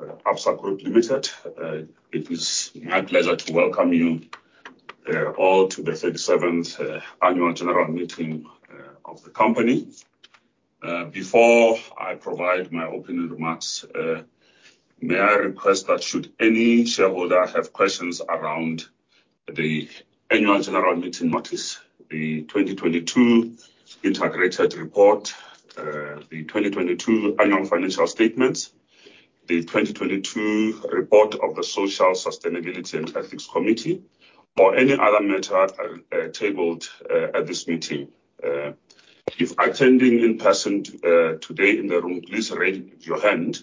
of Absa Group Limited. It is my pleasure to welcome you all to the 37th annual general meeting of the company. Before I provide my opening remarks, may I request that should any shareholder have questions around the annual general meeting notice, the 2022 integrated report, the 2022 annual financial statements, the 2022 report of the Social, Sustainability, and Ethics Committee, or any other matter tabled at this meeting. If attending in person today in the room, please raise your hand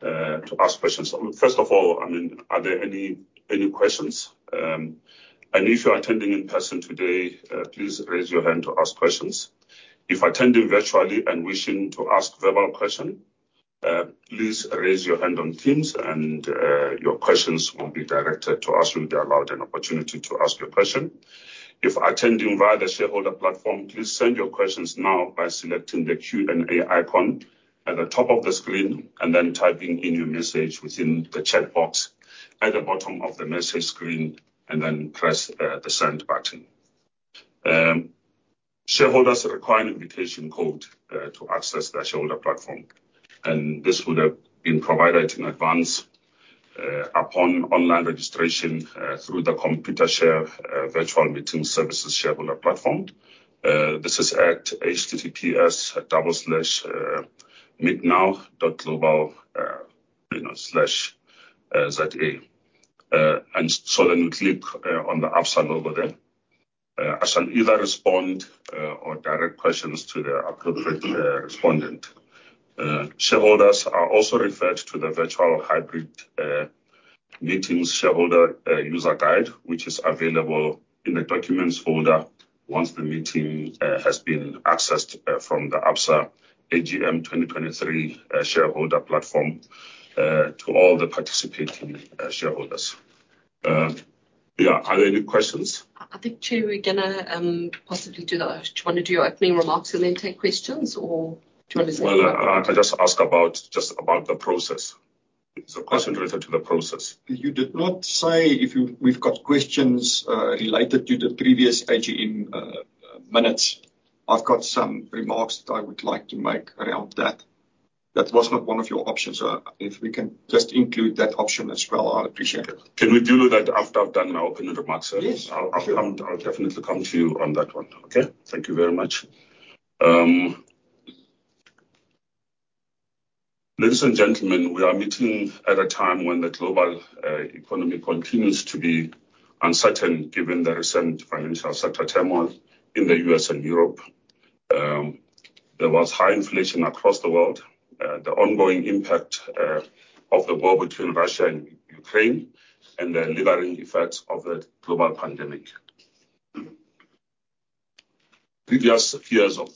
to ask questions. First of all, I mean, are there any questions? If you're attending in person today, please raise your hand to ask questions. If attending virtually and wishing to ask verbal question, please raise your hand on Teams, and your questions will be directed to us. You'll be allowed an opportunity to ask your question. If attending via the shareholder platform, please send your questions now by selecting the Q&A icon at the top of the screen, and then typing in your message within the chat box at the bottom of the message screen, and then press the Send button. Shareholders require an invitation code to access the shareholder platform, and this would have been provided in advance upon online registration through the Computershare Virtual Meeting Services shareholder platform. This is at https://meetnow.global, you know, /za. When you click on the Absa logo there, I shall either respond or direct questions to the appropriate respondent. Shareholders are also referred to the Virtual Hybrid Meetings Shareholder User Guide, which is available in the Documents folder once the meeting has been accessed from the Absa AGM 2023 shareholder platform to all the participating shareholders. Are there any questions? I think, too, we're gonna possibly do that. Do you want to do your opening remarks and then take questions, or do you want to say Well, I just ask about the process. It's a question related to the process. You did not say if we've got questions related to the previous AGM minutes. I've got some remarks that I would like to make around that. That was not one of your options. If we can just include that option as well, I'll appreciate it. Can we do that after I've done my opening remarks? Yes. I'll definitely come to you on that one. Okay. Thank you very much. Ladies and gentlemen, we are meeting at a time when the global economy continues to be uncertain, given the recent financial sector turmoil in the U.S. and Europe. There was high inflation across the world, the ongoing impact of the war between Russia and Ukraine, and the lingering effects of the global pandemic. Previous fears of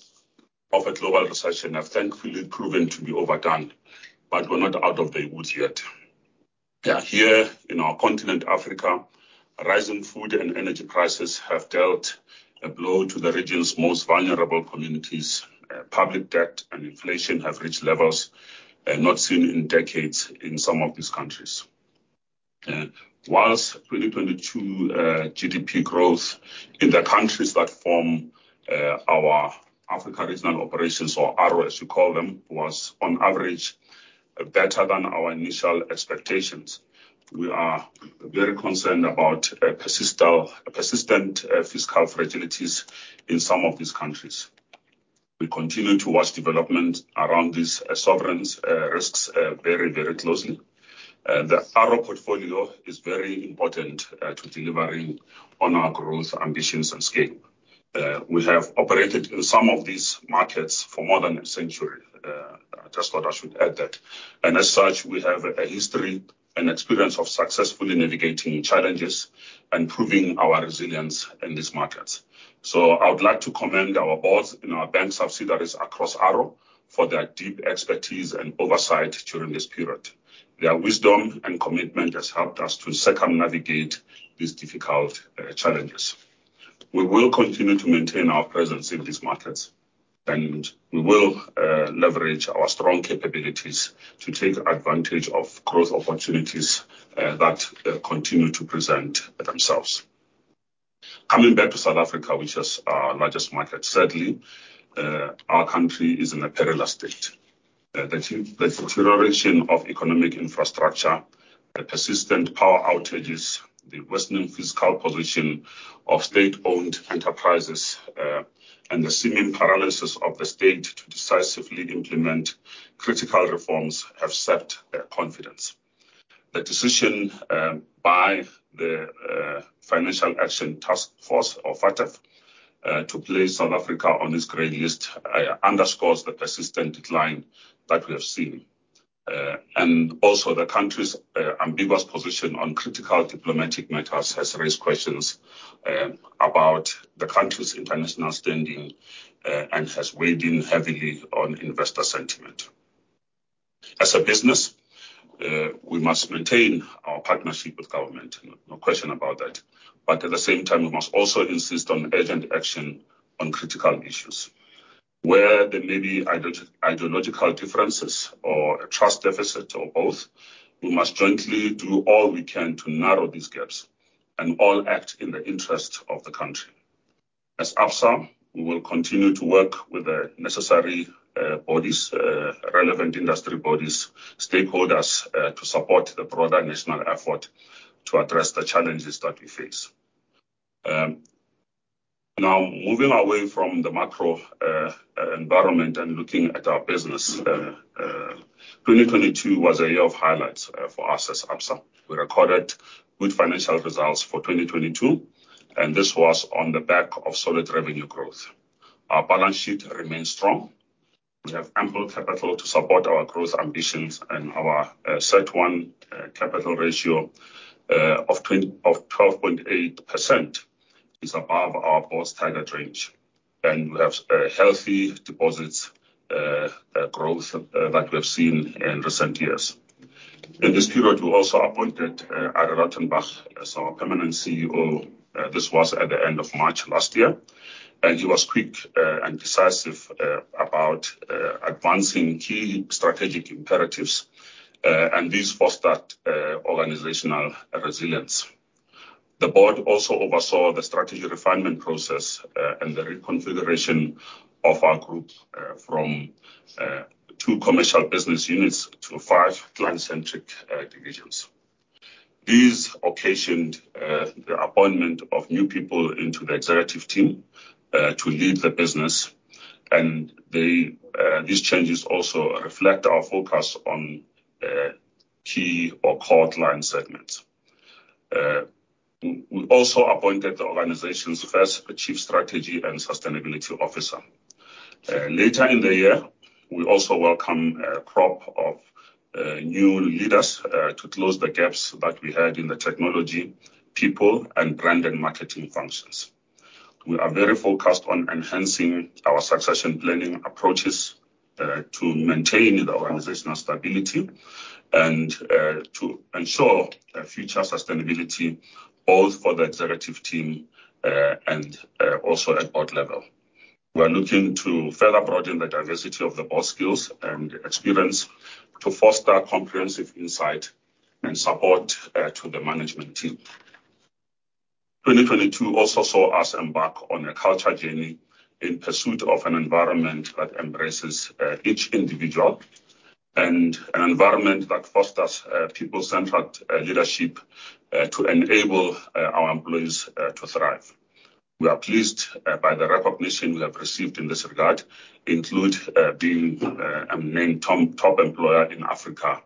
a global recession have thankfully proven to be overdone, we're not out of the woods yet. Here in our continent, Africa, rising food and energy prices have dealt a blow to the region's most vulnerable communities. Public debt and inflation have reached levels not seen in decades in some of these countries. Whilst 2022 GDP growth in the countries that form our Africa regional operations, or ARO as we call them, was on average better than our initial expectations. We are very concerned about persistent fiscal fragilities in some of these countries. We continue to watch development around these sovereigns risks very, very closely. The ARO portfolio is very important to delivering on our growth, ambitions, and scale. We have operated in some of these markets for more than a century. Just thought I should add that. As such, we have a history and experience of successfully navigating challenges and proving our resilience in these markets. I would like to commend our boards and our bank subsidiaries across ARO for their deep expertise and oversight during this period. Their wisdom and commitment has helped us to circumnavigate these difficult challenges. We will continue to maintain our presence in these markets, and we will leverage our strong capabilities to take advantage of growth opportunities that continue to present themselves. Coming back to South Africa, which is our largest market, sadly, our country is in a perilous state. The deterioration of economic infrastructure, the persistent power outages, the worsening fiscal position of state-owned enterprises, and the seeming paralysis of the state to decisively implement critical reforms have sapped their confidence. The decision by the Financial Action Task Force, or FATF, to place South Africa on this grey list, underscores the persistent decline that we have seen. Also, the country's ambiguous position on critical diplomatic matters has raised questions about the country's international standing and has weighed in heavily on investor sentiment. As a business, we must maintain our partnership with government, no question about that. At the same time, we must also insist on urgent action on critical issues. Where there may be ideological differences or a trust deficit or both, we must jointly do all we can to narrow these gaps and all act in the interest of the country. As Absa, we will continue to work with the necessary bodies, relevant industry bodies, stakeholders to support the broader national effort to address the challenges that we face. Now, moving away from the macro environment and looking at our business, 2022 was a year of highlights for us as Absa. We recorded good financial results for 2022, and this was on the back of solid revenue growth. Our balance sheet remains strong. We have ample capital to support our growth ambitions, and our CET1 capital ratio of 12.8% is above our board's target range, and we have a healthy deposits growth that we have seen in recent years. In this period, we also appointed Arrie Rautenbach as our permanent CEO. This was at the end of March last year, and he was quick and decisive about advancing key strategic imperatives, and this fostered organizational resilience. The board also oversaw the strategy refinement process and the reconfiguration of our group from two commercial business units to five client-centric divisions. These occasioned the appointment of new people into the executive team to lead the business, and these changes also reflect our focus on key or core line segments. We also appointed the organization's first chief strategy and sustainability officer. Later in the year, we also welcome a crop of new leaders to close the gaps that we had in the technology, people, and brand and marketing functions. We are very focused on enhancing our succession planning approaches to maintain the organizational stability and to ensure future sustainability, both for the executive team and also at board level. We are looking to further broaden the diversity of the board skills and experience to foster comprehensive insight and support to the management team. 2022 also saw us embark on a culture journey in pursuit of an environment that embraces each individual and an environment that fosters people-centric leadership to enable our employees to thrive. We are pleased by the recognition we have received in this regard, including being named Top Employer in Africa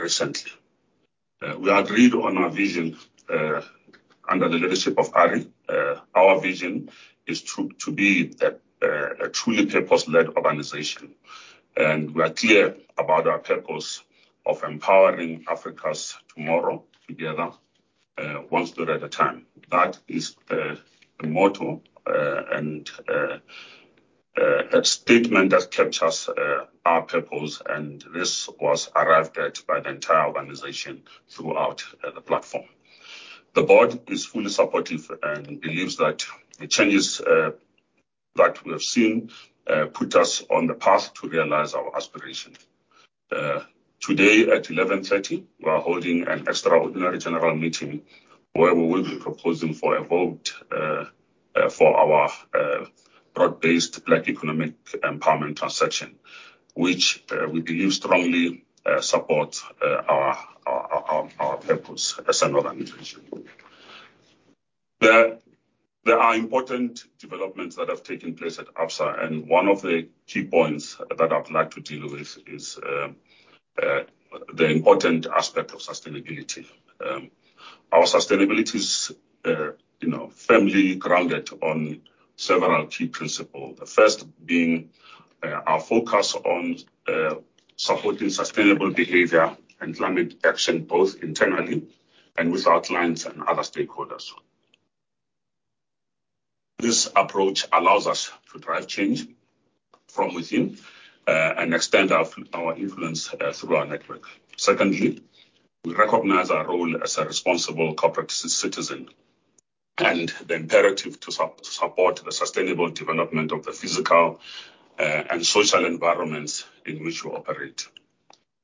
recently. We agreed on our vision under the leadership of Ari. Our vision is to be a truly purpose-led organization, and we are clear about our purpose of empowering Africa's tomorrow together, one story at a time. That is the motto, and a statement that captures our purpose, and this was arrived at by the entire organization throughout the platform. The board is fully supportive and believes that the changes that we have seen put us on the path to realize our aspirations. Today at 11:30 A.M., we are holding an extraordinary general meeting, where we will be proposing for a vote for our Broad-Based Black Economic Empowerment transaction, which we believe strongly supports our purpose as an organization. There are important developments that have taken place at Absa, and one of the key points that I'd like to deal with is the important aspect of sustainability. Our sustainability is, you know, firmly grounded on several key principles. The first being, our focus on supporting sustainable behavior and climate action, both internally and with our clients and other stakeholders. This approach allows us to drive change from within, and extend our influence through our network. Secondly, we recognize our role as a responsible corporate citizen and the imperative to support the sustainable development of the physical and social environments in which we operate.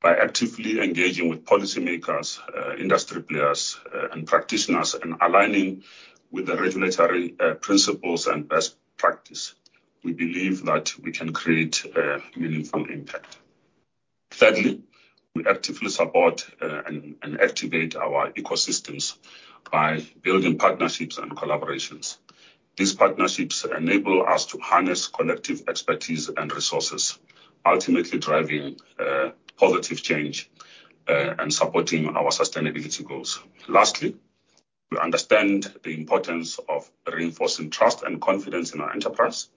By actively engaging with policymakers, industry players, and practitioners, and aligning with the regulatory principles and best practice, we believe that we can create a meaningful impact. Thirdly, we actively support and activate our ecosystems by building partnerships and collaborations. These partnerships enable us to harness collective expertise and resources, ultimately driving positive change and supporting our sustainability goals. Lastly, we understand the importance of reinforcing trust and confidence in our enterprise.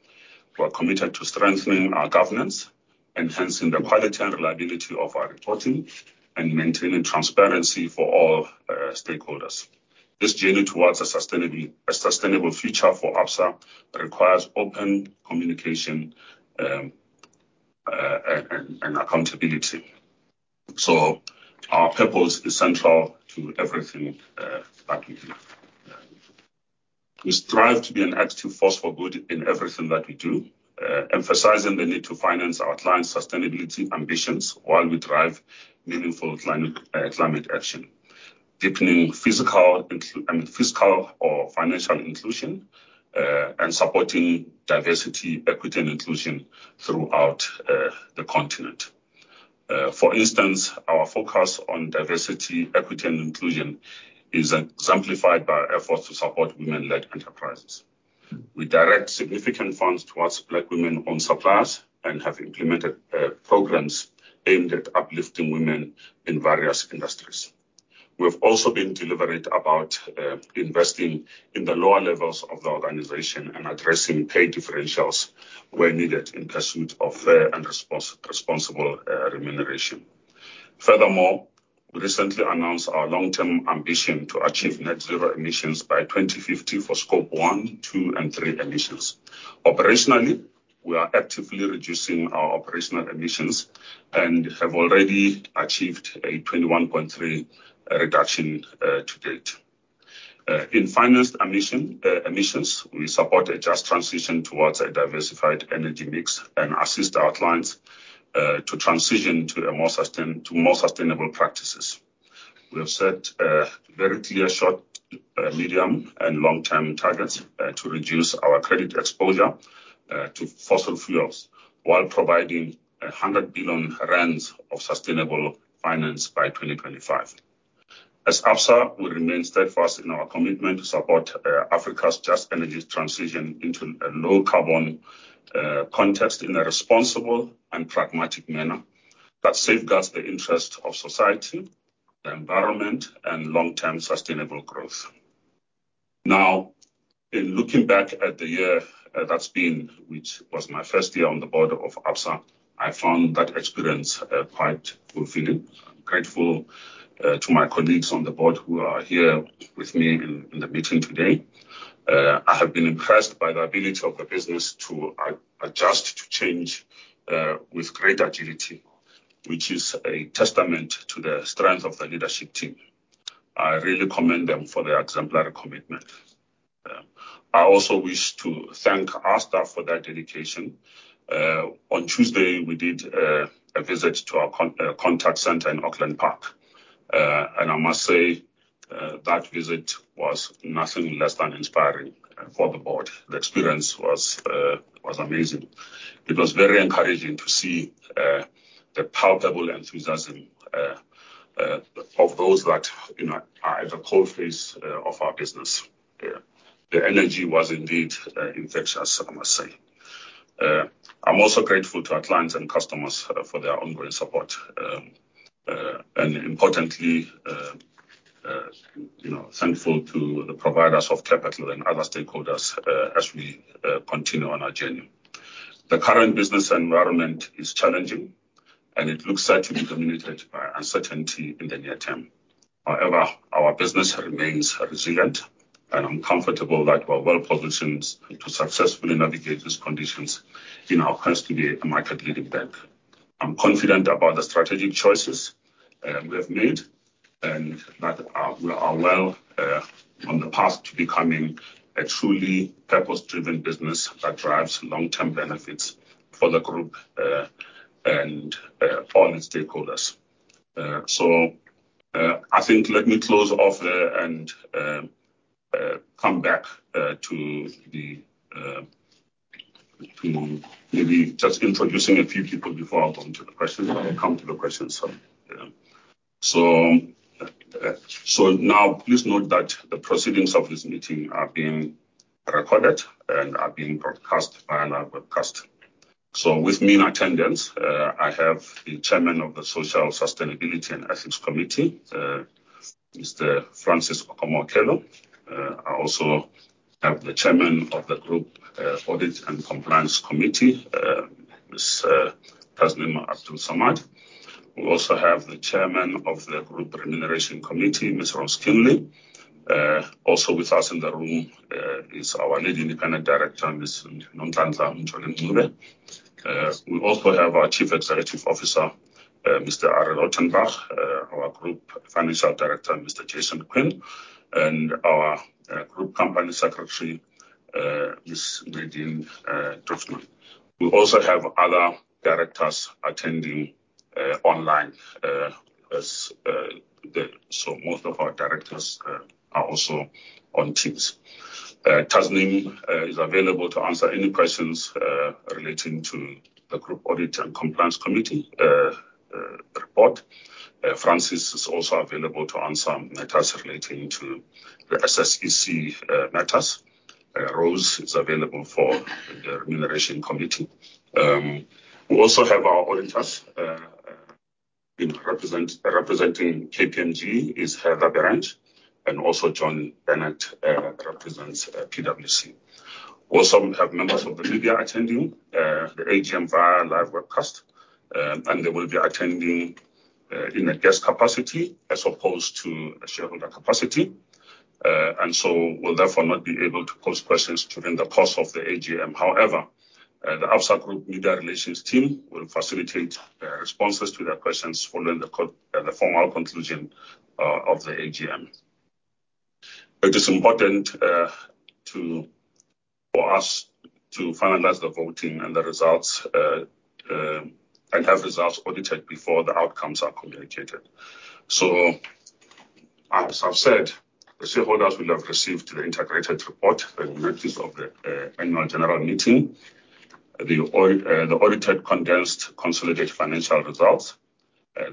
We are committed to strengthening our governance, enhancing the quality and reliability of our reporting, and maintaining transparency for all stakeholders. This journey towards a sustainable future for Absa requires open communication and accountability. Our purpose is central to everything that we do. We strive to be an active force for good in everything that we do, emphasizing the need to finance our clients' sustainability ambitions while we drive meaningful climate action, deepening I mean, fiscal or financial inclusion, and supporting diversity, equity, and inclusion throughout the continent. For instance, our focus on diversity, equity, and inclusion is exemplified by our efforts to support women-led enterprises. We direct significant funds towards black women-owned suppliers and have implemented programs aimed at uplifting women in various industries. We have also been deliberate about investing in the lower levels of the organization and addressing pay differentials where needed in pursuit of fair and responsible remuneration. Furthermore, we recently announced our long-term ambition to achieve net zero emissions by 2050 for Scope 1, 2, and 3 emissions. Operationally, we are actively reducing our operational emissions and have already achieved a 21.3% reduction to date. In financed emissions, we support a just transition towards a diversified energy mix and assist our clients to transition to more sustainable practices. We have set very clear, short, medium, and long-term targets to reduce our credit exposure to fossil fuels, while providing 100 billion rand of sustainable finance by 2025. As Absa, we remain steadfast in our commitment to support Africa's just energy transition into a low-carbon context in a responsible and pragmatic manner that safeguards the interests of society, the environment, and long-term sustainable growth. Now, in looking back at the year that's been, which was my first year on the board of Absa, I found that experience quite fulfilling. I'm grateful to my colleagues on the board who are here with me in the meeting today. I have been impressed by the ability of the business to adjust, to change with great agility, which is a testament to the strength of the leadership team. I really commend them for their exemplary commitment. I also wish to thank our staff for their dedication. On Tuesday, we did a visit to our contact center in Auckland Park. I must say, that visit was nothing less than inspiring for the board. The experience was amazing. It was very encouraging to see the palpable enthusiasm of those that, you know, are at the core phase of our business. The energy was indeed infectious, I must say. I'm also grateful to our clients and customers for their ongoing support. Importantly, you know, thankful to the providers of capital and other stakeholders as we continue on our journey. The current business environment is challenging, and it looks set to be dominated by uncertainty in the near term. However, our business remains resilient, and I'm comfortable that we're well-positioned to successfully navigate these conditions in our quest to be a market-leading bank. I'm confident about the strategic choices we have made, and that we are well on the path to becoming a truly purpose-driven business that drives long-term benefits for the group and all the stakeholders. I think let me close off and come back to the to maybe just introducing a few people before I come to the questions. I will come to the questions. Now please note that the proceedings of this meeting are being recorded and are being broadcast via our webcast. With me in attendance, I have the Chairman of the Social, Sustainability, and Ethics Committee, Mr. Francis Okomo-Okello. I also have the Chairman of the Group Audit and Compliance Committee, Ms. Tasneem Abdool-Samad. We also have the Chairman of the Group Remuneration Committee, Ms. Rose Keanly. Also with us in the room is our Lead Independent Director, Ms. Nonhlanhla Mjoli-Mncube. We also have our Chief Executive Officer, Mr. Arrie Rautenbach, our Group Financial Director, Mr. Jason Quinn, and our Group Company Secretary, Ms. Nadine Drutman. We also have other directors attending online, as most of our directors are also on Teams. Tasneem is available to answer any questions relating to the Group Audit and Compliance Committee report. Francis is also available to answer matters relating to the SSEC matters. Rose is available for the Remuneration Committee. We also have our auditors, you know, representing KPMG is Heather Berrange, and also John Bennett represents PwC. We also have members of the media attending the AGM via live webcast, and they will be attending in a guest capacity as opposed to a shareholder capacity and so will therefore not be able to pose questions during the course of the AGM. However, the Absa Group Media Relations team will facilitate responses to their questions following the formal conclusion of the AGM. It is important for us to finalize the voting and the results and have results audited before the outcomes are communicated. As I've said, the shareholders will have received the integrated report and notice of the annual general meeting, the audited, condensed, consolidated financial results.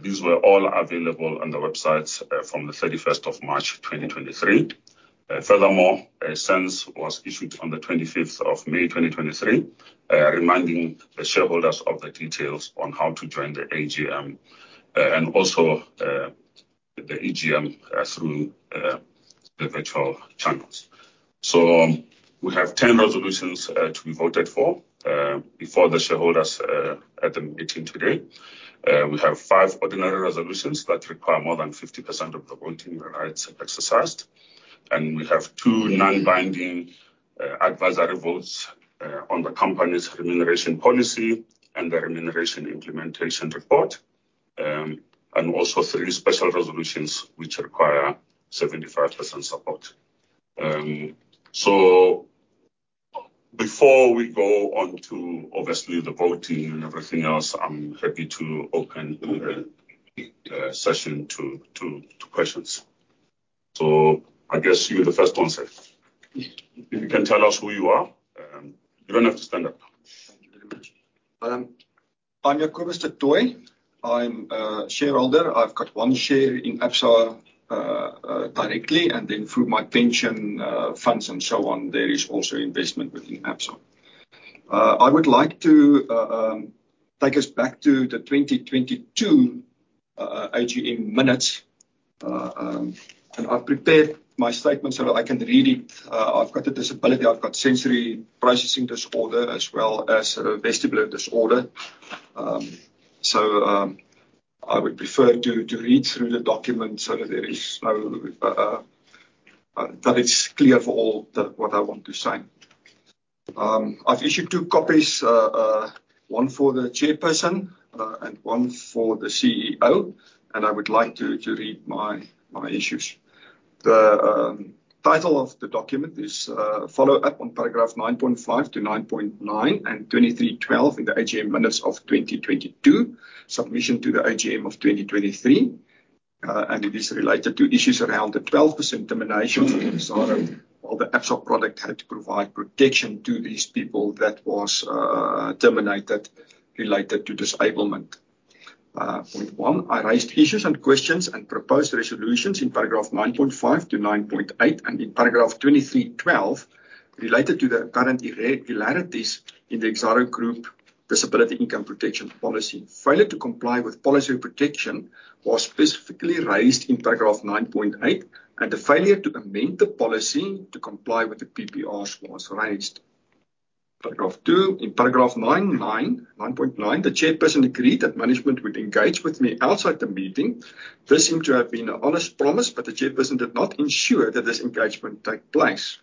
These were all available on the website from the 31st of March, 2023. Furthermore, a SENS was issued on the 25th of May, 2023, reminding the shareholders of the details on how to join the AGM, and also the AGM through the virtual channels. We have 10 resolutions to be voted for before the shareholders at the meeting today. We have five ordinary resolutions that require more than 50% of the voting rights exercised, and we have two non-binding advisory votes on the company's remuneration policy and the remuneration implementation report. Three special resolutions, which require 75% support. Before we go on to, obviously, the voting and everything else, I'm happy to open, session to questions. I guess you're the first one, sir. If you can tell us who you are, you don't have to stand up. Thank you very much. I'm Jacobus Du Toit. I'm a shareholder. I've got one share in Absa directly, and then through my pension funds and so on, there is also investment within Absa. I would like to take us back to the 2022 AGM minutes. I've prepared my statement so that I can read it. I've got a disability. I've got sensory processing disorder as well as a vestibular disorder. I would prefer to read through the document so that there is no that it's clear for all that what I want to say. I've issued two copies, one for the chairperson, and one for the CEO, and I would like to read my issues. The title of the document is Follow Up on paragraph 9.5 to 9.9 and 2312 in the AGM minutes of 2022, submission to the AGM of 2023. It is related to issues around the 12% termination of Exxaro, while the Absa product had to provide protection to these people that was terminated related to disablement. Point one: I raised issues and questions and proposed resolutions in paragraph 9.5 to 9.8 and in paragraph 23.12, related to the apparent irregularities in the Exxaro Group Disability Income Protection Policy. Failure to comply with policy protection was specifically raised in paragraph 9.8, and the failure to amend the policy to comply with the PPRs was raised. Paragraph two, in paragraph 9.9, the chairperson agreed that management would engage with me outside the meeting. This seemed to have been an honest promise, but the chairperson did not ensure that this engagement take place.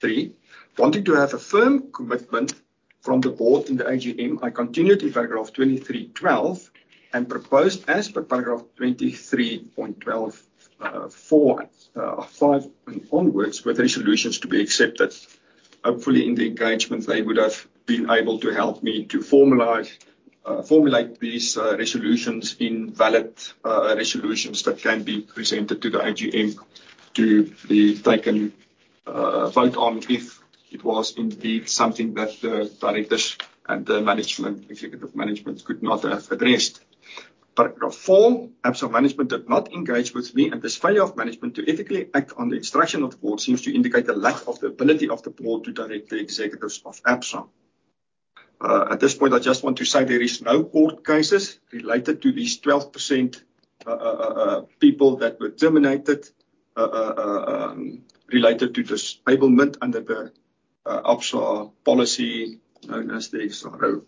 three, wanting to have a firm commitment from the board in the AGM, I continued in paragraph 23.12 and proposed as per paragraph 23.12, four, five onwards, with resolutions to be accepted. Hopefully, in the engagement, they would have been able to help me to formalize, formulate these resolutions in valid resolutions that can be presented to the AGM to be taken vote on if it was indeed something that the directors and the management, executive management could not have addressed. Paragraph four: Absa management did not engage with me, and this failure of management to ethically act on the instruction of the board seems to indicate a lack of the ability of the board to direct the executives of Absa. At this point, I just want to say there is no court cases related to these 12% people that were terminated related to disablement under the Absa policy, known as the Exxaro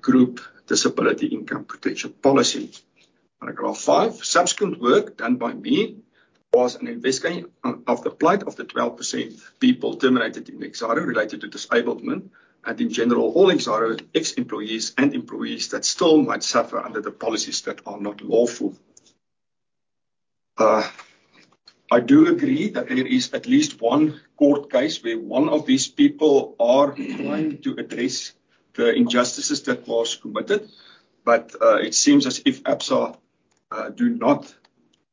Group Disability Income Protection Policy. Paragraph five: Subsequent work done by me was an investigation of the plight of the 12% people terminated in Exxaro related to disablement, and in general, all Exxaro ex-employees and employees that still might suffer under the policies that are not lawful. I do agree that there is at least one court case where one of these people are trying to address the injustices that was committed. It seems as if Absa do not.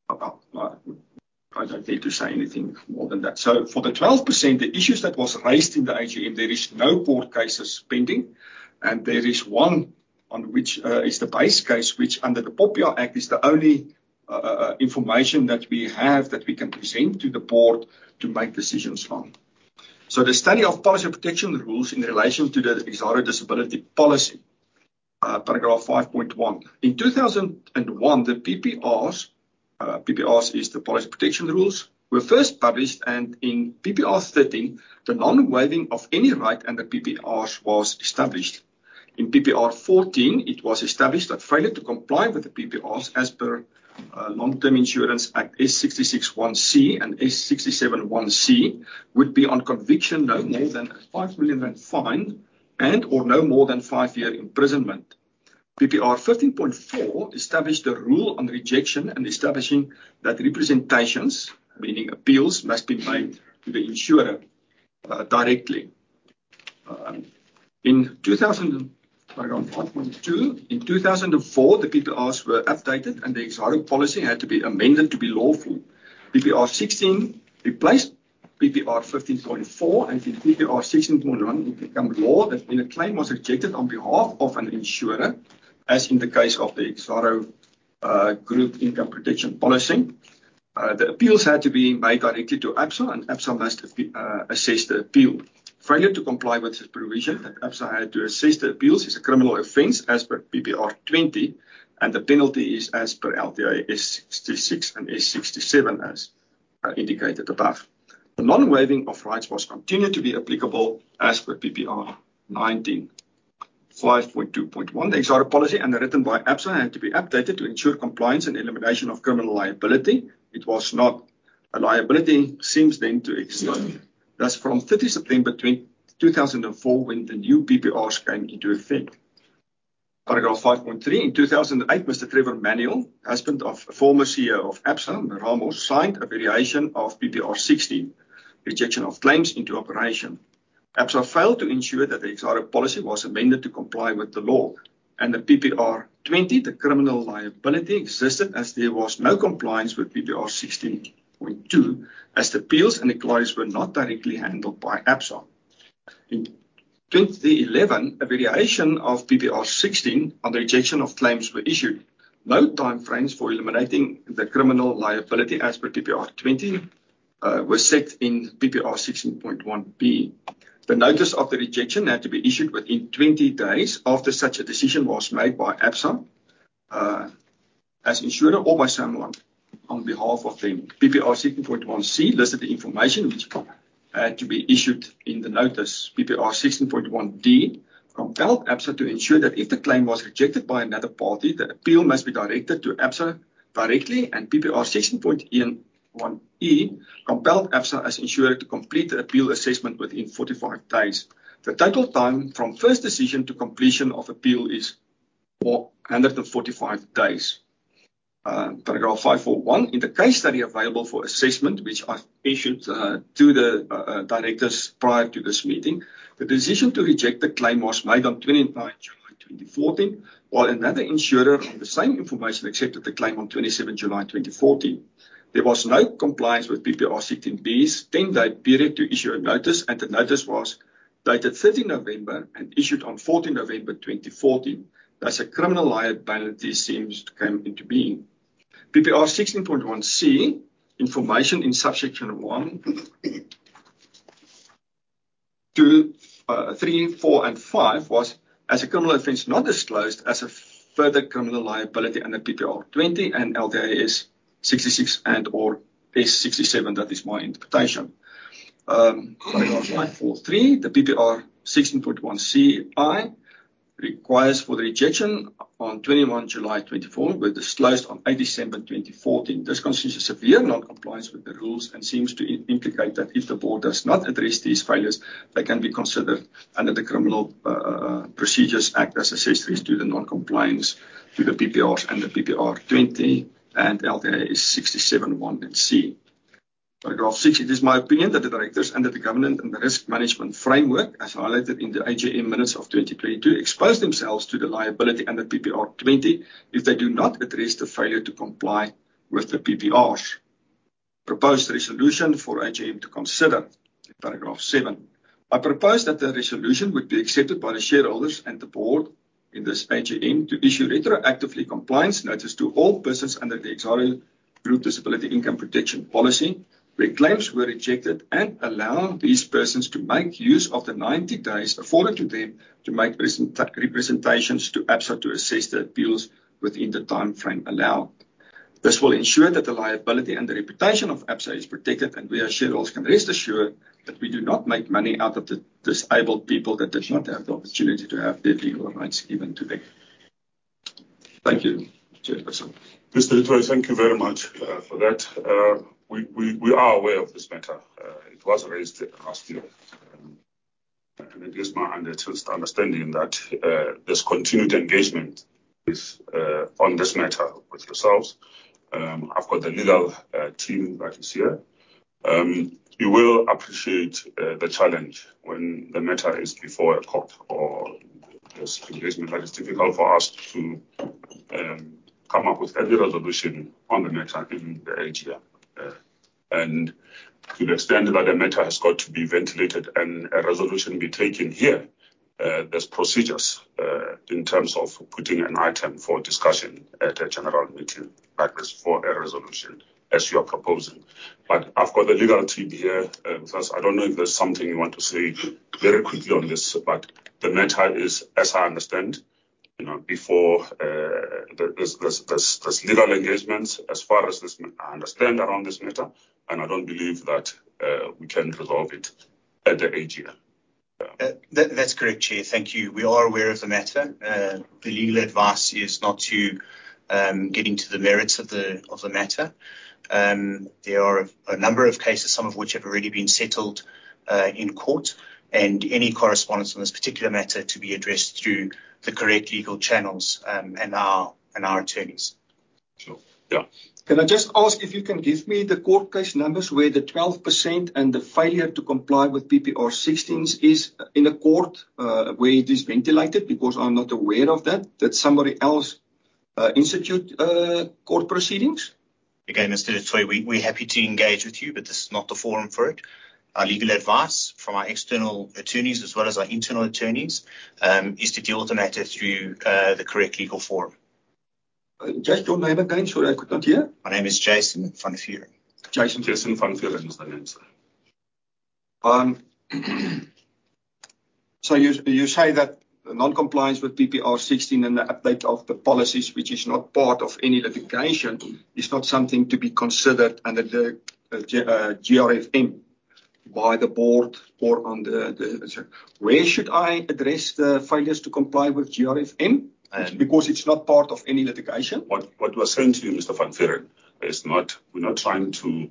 I don't need to say anything more than that. For the 12%, the issues that was raised in the AGM, there is no court cases pending. There is one on which is the base case, which under the POPIA Act, is the only information that we have that we can present to the board to make decisions from. The study of Policy Protection Rules in relation to the Exxaro Disability Policy. Paragraph 5.1: In 2001, the PPRs is the Policy Protection Rules, were first published. In PPR 13, the non-waiving of any right under PPRs was established. In PPR 14, it was established that failure to comply with the PPRs as per Long-term Insurance Act S 66 1 C and S 67 1 C, would be on conviction, no more than a 5 million fine and or no more than 5-year imprisonment. PPR 15.4 established a rule on rejection and establishing that representations, meaning appeals, must be made to the insurer directly. Paragraph 5.2. In 2004, the PPRs were updated, and the Exxaro Policy had to be amended to be lawful. PPR 16 replaced PPR 15.4, and in PPR 16.1, it became law that when a claim was rejected on behalf of an insurer, as in the case of the Exxaro Group Income Protection Policy, the appeals had to be made directly to Absa, and Absa must assess the appeal. Failure to comply with this provision that Absa had to assess the appeals is a criminal offense as per PPR 20, and the penalty is as per LTA S 66 and S 67, as indicated above. The non-waiving of rights was continued to be applicable as per PPR 19 5.2.1. The Exxaro Policy, underwritten by Absa, had to be updated to ensure compliance and elimination of criminal liability. It was not. A liability seems then to explode. From September 30, 2004, when the new PPRs came into effect. Paragraph 5.3. In 2008, Mr. Trevor Manuel, husband of former CEO of Absa, Ramos, signed a variation of PPR 16, Rejection of Claims, into operation. Absa failed to ensure that the Exxaro Policy was amended to comply with the law and the PPR 20. The criminal liability existed as there was no compliance with PPR 16.2, as the appeals and the claims were not directly handled by Absa. In 2011, a variation of PPR 16 on the rejection of claims were issued. No timeframes for eliminating the criminal liability as per PPR 20 were set in PPR 16.1 B. The notice of the rejection had to be issued within 20 days after such a decision was made by Absa, as insurer or by someone on behalf of them. PPR 16.1 C listed the information which had to be issued in the notice. PPR 16.1 D compelled Absa to ensure that if the claim was rejected by another party, the appeal must be directed to Absa directly, and PPR 16.1.1 E compelled Absa, as insurer, to complete the appeal assessment within 45 days. The total time from first decision to completion of appeal is 445 days. Paragraph 541: In the case study available for assessment, which I issued to the directors prior to this meeting, the decision to reject the claim was made on 29 July 2014, while another insurer, with the same information, accepted the claim on 27 July 2014. There was no compliance with PPR 16B's 10-day period to issue a notice, and the notice was dated 30 November and issued on 14 November 2014. A criminal liability seems to come into being. PPR 16.1C, information in subsection 1, 2, 3, 4, and 5 was as a criminal offense, not disclosed as a further criminal liability under PPR 20 and LTA S 66 and/or S 67. That is my interpretation. Paragraph 543, the PPR 16.1 (c)(i) requires for the rejection on 21 July 2014, were disclosed on 8 December 2014. This constitutes a severe non-compliance with the rules and seems to indicate that if the board does not address these failures, they can be considered under the Criminal Procedure Act as accessories to the non-compliance to the PPRs and the PPR 20 and LTA S 67 (1) (c). Paragraph six: It is my opinion that the directors, under the governance and the risk management framework, as highlighted in the AGM minutes of 2022, expose themselves to the liability under PPR 20 if they do not address the failure to comply with the PPRs. Proposed resolution for AGM to consider. Paragraph seven: I propose that the resolution would be accepted by the shareholders and the board in this AGM to issue retroactively compliance notice to all persons under the Exxaro Group Disability Income Protection policy, where claims were rejected, and allow these persons to make use of the 90 days afforded to them to make representations to Absa to assess the appeals within the timeframe allowed. This will ensure that the liability and the reputation of Absa is protected, we as shareholders can rest assured that we do not make money out of the disabled people that did not have the opportunity to have their legal rights given to them. Thank you, chairperson. Mr. Du Toit, thank you very much for that. We are aware of this matter. It was raised last year, and it is my understanding that this continued engagement is on this matter with yourselves. I've got the legal team that is here. You will appreciate the challenge when the matter is before a court or there's engagement, but it's difficult for us to come up with any resolution on the matter in the AGM. To the extent that the matter has got to be ventilated and a resolution be taken here, there's procedures in terms of putting an item for discussion at a general meeting like this for a resolution, as you are proposing. I've got the legal team here with us. I don't know if there's something you want to say very quickly on this, the matter is, as I understand, you know, before, there's legal engagements. I understand around this matter, I don't believe that we can resolve it at the AGM. That's correct, Chair. Thank you. We are aware of the matter. The legal advice is not to get into the merits of the matter. There are a number of cases, some of which have already been settled in court, and any correspondence on this particular matter to be addressed through the correct legal channels and our attorneys. Sure. Yeah. Can I just ask if you can give me the court case numbers where the 12% and the failure to comply with PPR 16 is in a court, where it is ventilated? I'm not aware of that somebody else, institute, court proceedings. Mr. Du Toit, we're happy to engage with you, but this is not the forum for it. Our legal advice from our external attorneys, as well as our internal attorneys, is to deal with the matter through the correct legal forum. Just your name again. Sorry, I could not hear. My name is Jason van Vuuren. Jason. Jason van Vuuren is the name, sir. You say that non-compliance with PPR 16 and the update of the policies, which is not part of any litigation, is not something to be considered under the GRFM by the board or on the. Where should I address the failures to comply with GRFM? Uh- It's not part of any litigation. What we're saying to you, Mr. Van Vuuren, is not. We're not trying to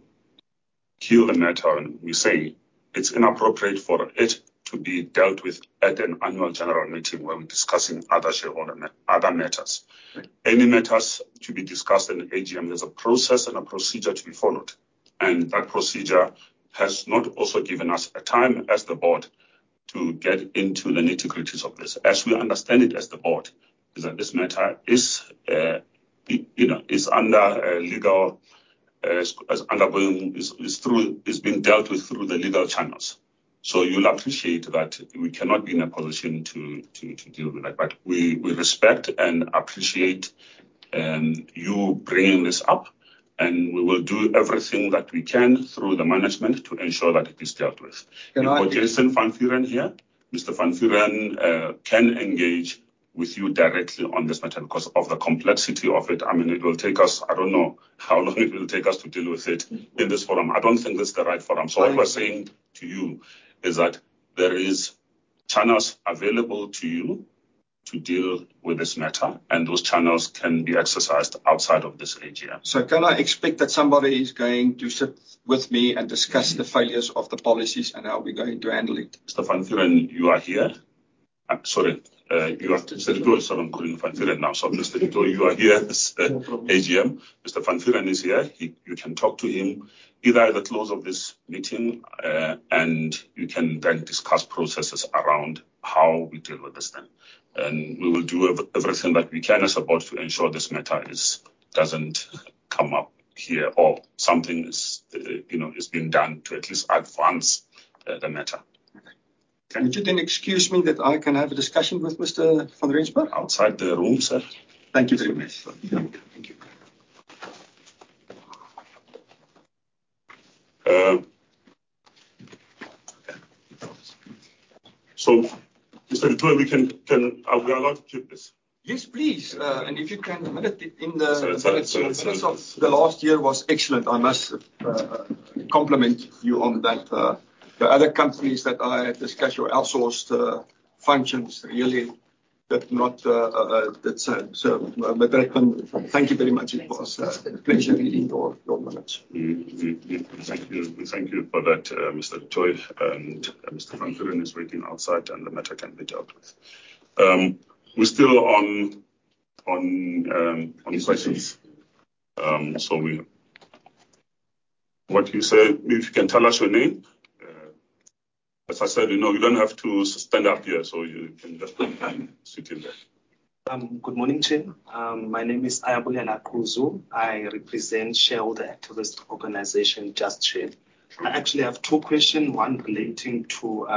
kill the matter. We're saying it's inappropriate for it to be dealt with at an annual general meeting where we're discussing other shareholder other matters. Right. Any matters to be discussed in the AGM, there's a process and a procedure to be followed, and that procedure has not also given us a time, as the board, to get into the nitty-gritties of this. As we understand it, as the board, is that this matter is, you know, is under a legal, is being dealt with through the legal channels. You'll appreciate that we cannot be in a position to deal with that. We, we respect and appreciate, you bringing this up, and we will do everything that we can through the management to ensure that it is dealt with. And I- For Jason van Vuuren here, Mr. Van Vuuren can engage with you directly on this matter. Of the complexity of it, I mean, it will take us, I don't know how long it will take us to deal with it in this forum. I don't think this is the right forum. I- What we're saying to you, is that there is channels available to you to deal with this matter, and those channels can be exercised outside of this AGM. Can I expect that somebody is going to sit with me and discuss the failures of the policies and how we're going to handle it? Mr. Van Vuuren, you are here. Sorry, you are Mr. Du Toit. I'm calling Van Vuuren now. Mr. Du Toit, you are here. No problem. AGM. Mr. Van Vuuren is here. You can talk to him either at the close of this meeting. You can then discuss processes around how we deal with this then. We will do everything that we can as a board to ensure this matter is, doesn't come up here, or something is, you know, is being done to at least advance the matter. Okay. Can you? Would you then excuse me, that I can have a discussion with Mr. Van Vuuren? Outside the room, sir. Thank you very much. Yes. Thank you. Mr. Du Toit, we can. Are we allowed to keep this? Yes, please. Yeah. If you can limit it in. Sorry. The minutes of the last year was excellent. I must compliment you on that. The other companies that I discuss your outsourced functions really that not that. Thank you very much. Thank you. It was, pleasure reading your minutes. Thank you. We thank you for that, Mr. Du Toit. Mr. Van Vuuren is waiting outside, and the matter can be dealt with. We're still on questions. What you said, if you can tell us your name. As I said, you know, you don't have to stand up here, so you can just sit in there. Good morning, Chair. My name is Ayabulela Khuze. I represent shareholder activist organization, Just Share. I actually have two questions, one relating to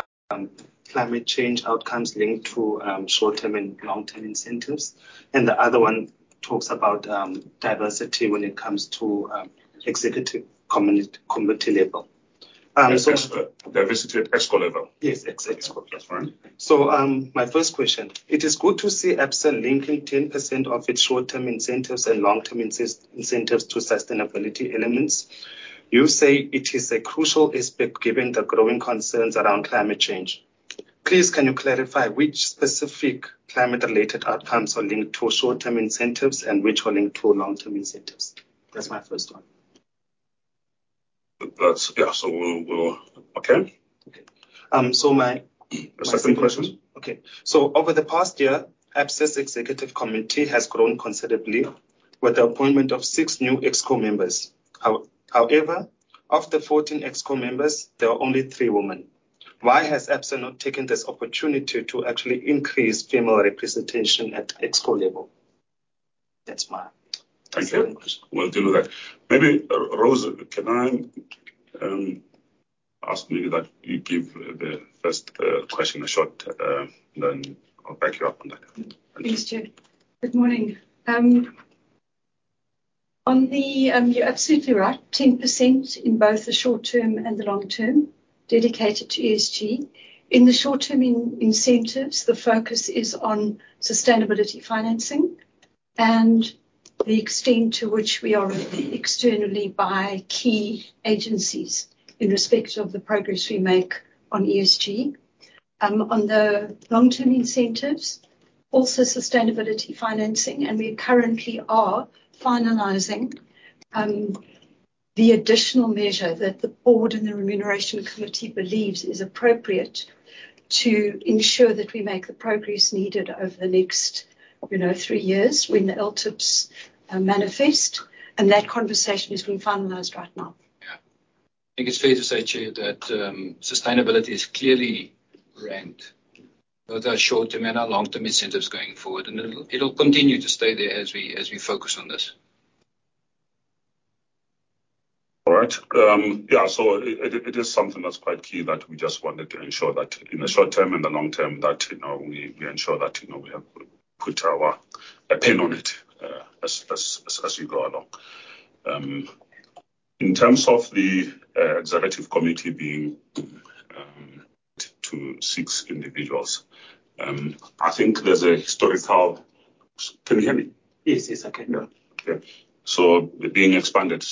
climate change outcomes linked to short-term and long-term incentives, and the other one talks about diversity when it comes to executive committee level. Diversity at ExCo level? Yes, ExCo. ExCo. That's fine. My first question: It is good to see Absa linking 10% of its short-term incentives and long-term incentives to sustainability elements. You say it is a crucial aspect given the growing concerns around climate change. Please, can you clarify which specific climate-related outcomes are linked to short-term incentives and which are linked to long-term incentives? That's my first one. That's... Yeah, we'll... Okay. Okay. Second question. Okay. Over the past year, Absa's executive committee has grown considerably with the appointment of six new ExCo members. However, of the 14 ExCo members, there are only three women. Why has Absa not taken this opportunity to actually increase female representation at ExCo level? That's my second question. Thank you. We'll deal with that. Maybe, Rose, can I ask maybe that you give the first question a shot, then I'll back you up on that. Thanks, Chair. Good morning. You're absolutely right, 10% in both the short term and the long term dedicated to ESG. In the short-term incentives, the focus is on sustainability financing and the extent to which we are reviewed externally by key agencies in respect of the progress we make on ESG. On the long-term incentives, also sustainability financing, we currently are finalizing the additional measure that the board and the remuneration committee believes is appropriate to ensure that we make the progress needed over the next, you know, three years when the LTIPs manifest. That conversation is being finalized right now. I think it's fair to say, Chair, that sustainability is clearly ranked in, both our short-term and our long-term incentives going forward, and it'll continue to stay there as we focus on this. All right. It is something that's quite key that we just wanted to ensure that in the short term and the long term, that, you know, we ensure that, you know, we have put our pin on it as we go along. In terms of the Executive Committee being to six individuals, I think there's a historical... Can you hear me? Yes. Yes, I can hear. Okay. Being expanded.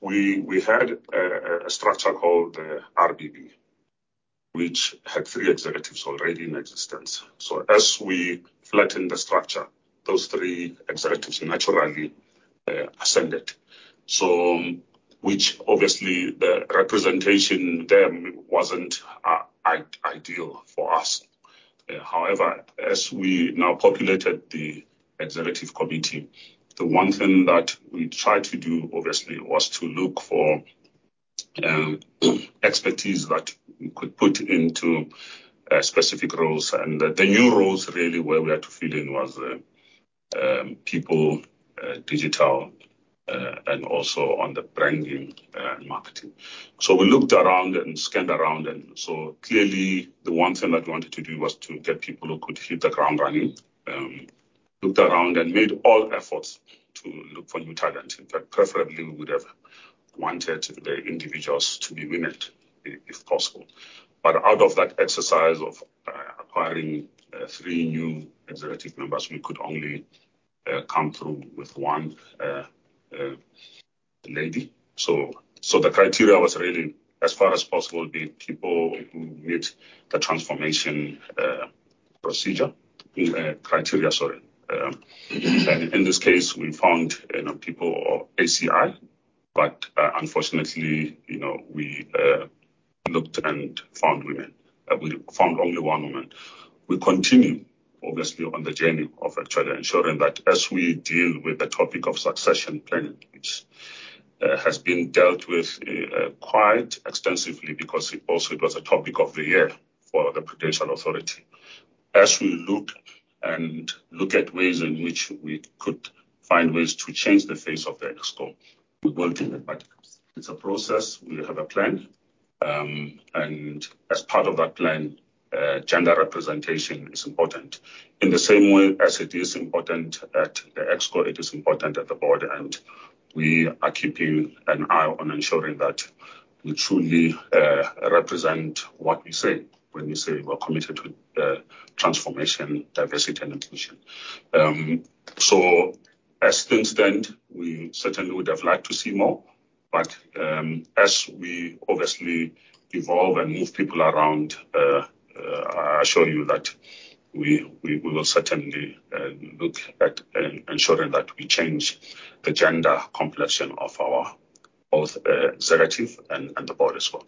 We had a structure called RBB, which had three executives already in existence. As we flattened the structure, those three executives naturally ascended, so which obviously the representation there wasn't ideal for us. However, as we now populated the Executive Committee, the one thing that we tried to do, obviously, was to look for expertise that we could put into specific roles. The new roles, really, where we had to fill in was people, digital, and also on the branding and marketing. We looked around and scanned around, and so clearly, the one thing that we wanted to do was to get people who could hit the ground running. Looked around and made all efforts to look for new talent. In fact, preferably, we would have wanted the individuals to be women, if possible. Out of that exercise of acquiring three new executive members, we could only come through with one lady. The criteria was really, as far as possible, the people who meet the transformation procedure. Criteria, sorry. In this case, we found, you know, people or ACI, but unfortunately, you know, we looked and found women. We found only one woman. We continue, obviously, on the journey of actually ensuring that as we deal with the topic of succession planning, which has been dealt with quite extensively because it also was a topic of the year for the Prudential Authority. As we look at ways in which we could find ways to change the face of the ExCo, we working, but it's a process. We have a plan, and as part of that plan, gender representation is important. In the same way as it is important at the ExCo, it is important at the Board, and we are keeping an eye on ensuring that we truly represent what we say when we say we're committed to transformation, diversity, and inclusion. As things stand, we certainly would have liked to see more, but as we obviously evolve and move people around, I assure you that we will certainly look at ensuring that we change the gender complexion of our both Executive and the Board as well.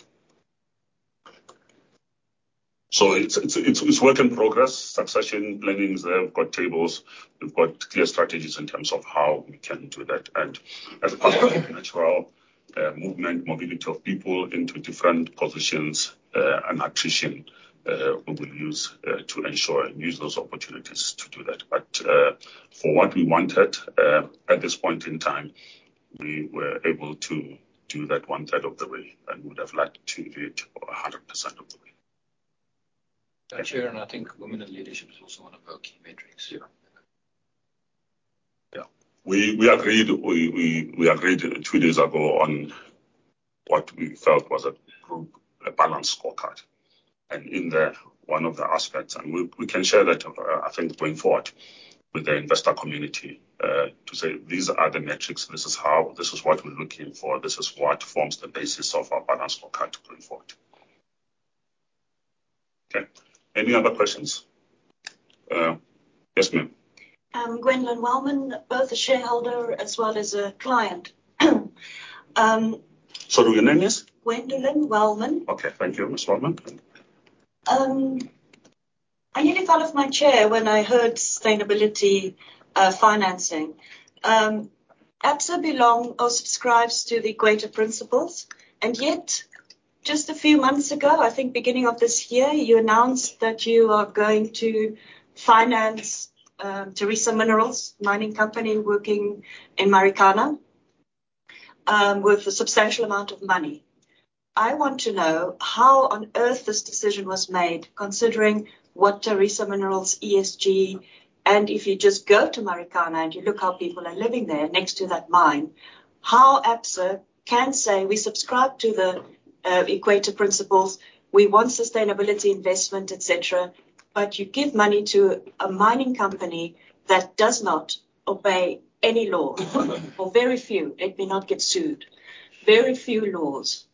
It's work in progress. Succession planning is there. We've got tables. We've got clear strategies in terms of how we can do that. As part of natural movement, mobility of people into different positions, and attrition, we will use to ensure and use those opportunities to do that. For what we wanted at this point in time, we were able to do that one third of the way and would have liked to do it a 100% of the way. Thank you. I think women in leadership is also one of our key metrics. Yeah. Yeah. We agreed two days ago on what we felt was a group, a balanced scorecard, and in there, one of the aspects... We can share that, I think, going forward with the investor community, to say, "These are the metrics. This is how, this is what we're looking for. This is what forms the basis of our balanced scorecard going forward." Okay. Any other questions? Yes, ma'am. Gwendolyn Wellman, both a shareholder as well as a client. Sorry, your name is? Gwendolyn Wellman. Okay. Thank you, Ms. Wellman. I nearly fell off my chair when I heard sustainability financing. Absa belongs or subscribes to the Equator Principles, yet, just a few months ago, I think beginning of this year, you announced that you are going to finance Tharisa Minerals Mining Company, working in Marikana, with a substantial amount of money. I want to know how on earth this decision was made, considering what Tharisa Minerals' ESG, and if you just go to Marikana, and you look how people are living there next to that mine. How Absa can say we subscribe to the Equator Principles, we want sustainability investment, et cetera, you give money to a mining company that does not obey any law? Very few. It may not get sued. Very few laws.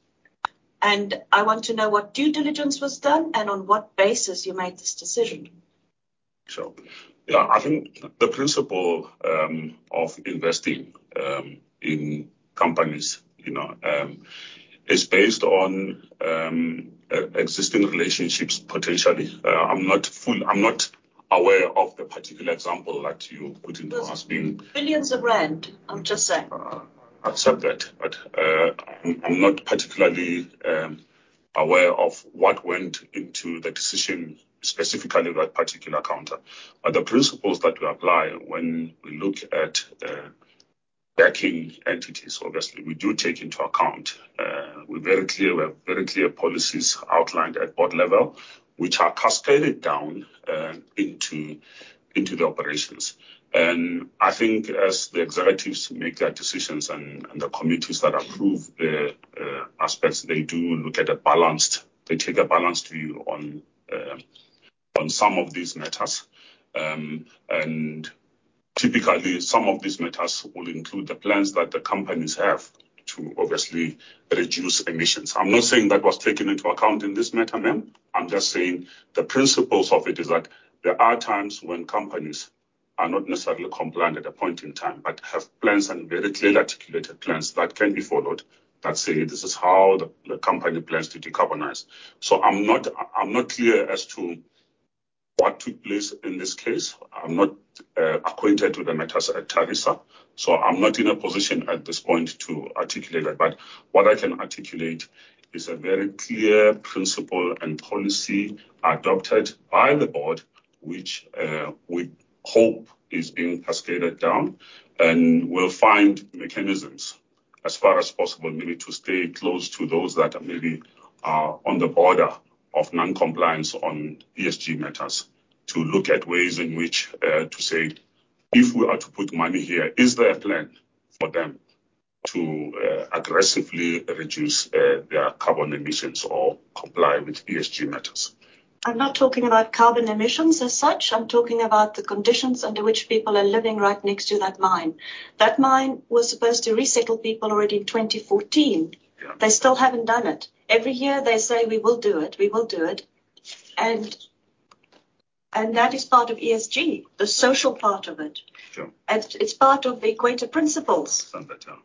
I want to know what due diligence was done and on what basis you made this decision. Sure. I think the principle of investing in companies, you know, is based on existing relationships, potentially. I'm not aware of the particular example that you put into asking. Billions of ZAR, I'm just saying. I accept that, I'm not particularly aware of what went into the decision, specifically that particular account. The principles that we apply when we look at backing entities, obviously, we do take into account. We're very clear, we have very clear policies outlined at board level, which are cascaded down into the operations. I think as the executives make their decisions and the committees that approve the aspects, they do look at a balanced view on some of these matters. Typically, some of these matters will include the plans that the companies have to obviously reduce emissions. I'm not saying that was taken into account in this matter, ma'am. I'm just saying the principles of it is that there are times when companies are not necessarily compliant at a point in time, but have plans and very clearly articulated plans that can be followed that say, "This is how the company plans to decarbonize." I'm not, I'm not clear as to what took place in this case. I'm not acquainted with the matters at Tharisa, so I'm not in a position at this point to articulate that. What I can articulate is a very clear principle and policy adopted by the board, which we hope is being cascaded down. We'll find mechanisms as far as possible, maybe to stay close to those that are maybe on the border of non-compliance on ESG matters, to look at ways in which to say, "If we are to put money here, is there a plan for them to aggressively reduce their carbon emissions or comply with ESG matters? I'm not talking about carbon emissions as such. I'm talking about the conditions under which people are living right next to that mine. That mine was supposed to resettle people already in 2014. Yeah. They still haven't done it. Every year they say, "We will do it. We will do it." That is part of ESG, the social part of it. Sure. It's part of the Equator Principles. I understand that, yeah.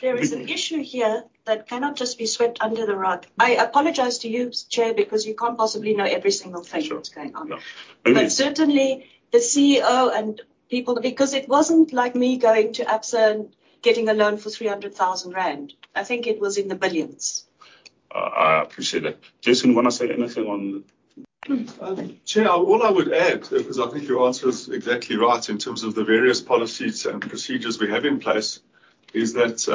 There is an issue here that cannot just be swept under the rug. I apologize to you, Chair, because you can't possibly know every single thing... Sure. that's going on. No. Certainly, the CEO and people. Because it wasn't like me going to Absa and getting a loan for 300,000 rand. I think it was in the billions. I appreciate that. Jason, you want to say anything on...? Chair, all I would add, because I think your answer is exactly right in terms of the various policies and procedures we have in place, is that,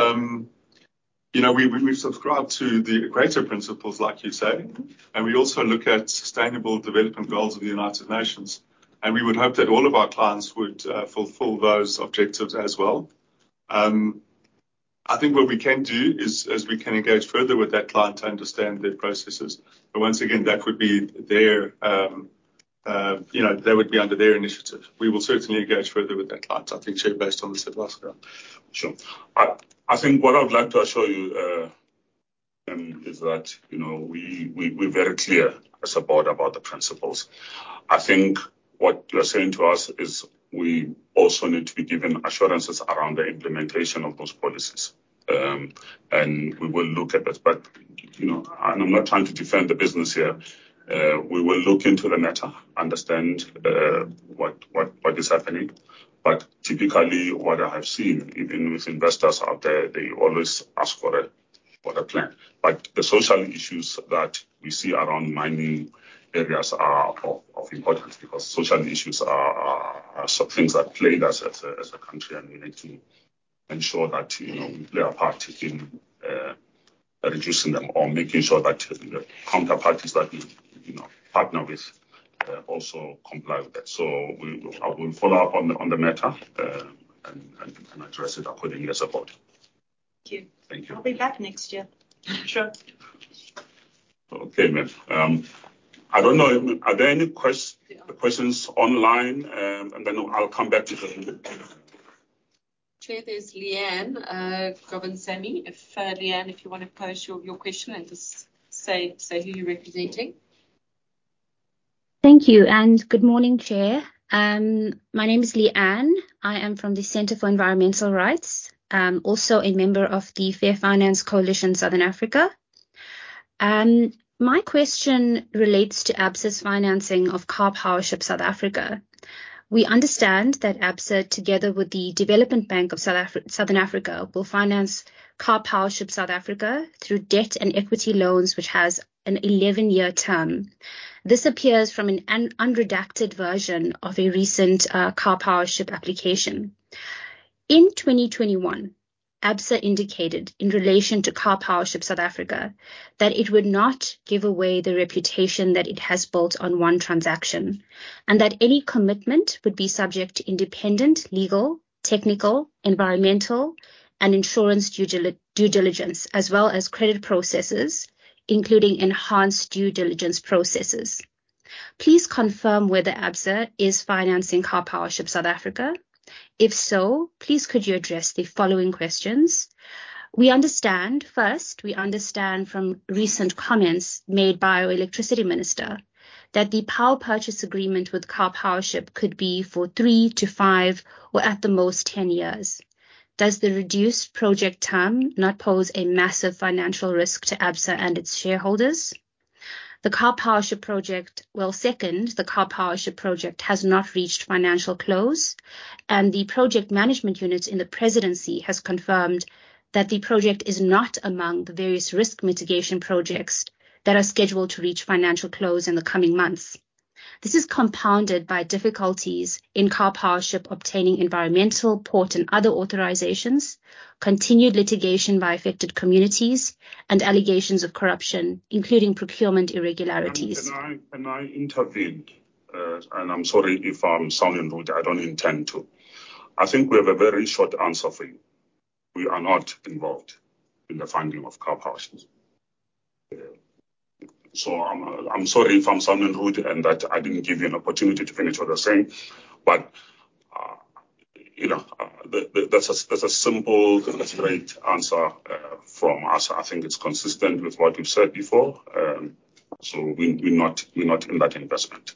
you know, we've subscribed to the Equator Principles, like you say, and we also look at sustainable development goals of the United Nations, and we would hope that all of our clients would fulfill those objectives as well. I think what we can do is we can engage further with that client to understand their processes, but once again, that would be their, you know, that would be under their initiative. We will certainly engage further with that client, I think, Chair, based on what you said last year. Sure. I think what I would like to assure you is that, you know, we're very clear as a board about the principles. I think what you are saying to us is, we also need to be given assurances around the implementation of those policies. We will look at that. You know, I'm not trying to defend the business here. We will look into the matter, understand what is happening. Typically, what I have seen, even with investors out there, they always ask for a plan. The social issues that we see around mining areas are of importance because social issues are some things that plague us as a country, and we need to ensure that, you know, we play our part in reducing them or making sure that the counterparties that we, you know, partner with, also comply with that. I will follow up on the matter and address it accordingly as a board. Thank you. Thank you. I'll be back next year. Sure. Okay, ma'am. I don't know. Are there any quest-? Yeah... questions online? then I'll come back to you. Chair, there's Leanne Govindsamy. If, Leanne, if you want to pose your question and just say who you're representing. Thank you, and good morning, Chair. My name is Leanne. I am from the Centre for Environmental Rights, also a member of the Fair Finance Coalition Southern Africa. My question relates to Absa's financing of Karpowership South Africa. We understand that Absa, together with the Development Bank of Southern Africa, will finance Karpowership South Africa through debt and equity loans, which has an 11-year term. This appears from an unredacted version of a recent Karpowership application. In 2021, Absa indicated in relation to Karpowership South Africa, that it would not give away the reputation that it has built on one transaction, and that any commitment would be subject to independent, legal, technical, environmental, and insurance due diligence, as well as credit processes, including enhanced due diligence processes. Please confirm whether Absa is financing Karpowership South Africa. If so, please could you address the following questions: First, we understand from recent comments made by our Electricity Minister, that the power purchase agreement with Karpowership could be for three to five or, at the most, 10 years. Does the reduced project term not pose a massive financial risk to Absa and its shareholders? Second, the Karpowership project has not reached financial close, and the project management unit in the presidency has confirmed that the project is not among the various risk mitigation projects that are scheduled to reach financial close in the coming months. This is compounded by difficulties in Karpowership obtaining environmental, port, and other authorizations, continued litigation by affected communities, and allegations of corruption, including procurement irregularities. Can I intervene? I'm sorry if I'm sounding rude, I don't intend to. I think we have a very short answer for you. We are not involved in the funding of Karpowership. Yeah. I'm sorry if I'm sounding rude, and that I didn't give you an opportunity to finish what you were saying, you know, that's a simple, straight answer from us. I think it's consistent with what we've said before. We're not in that investment.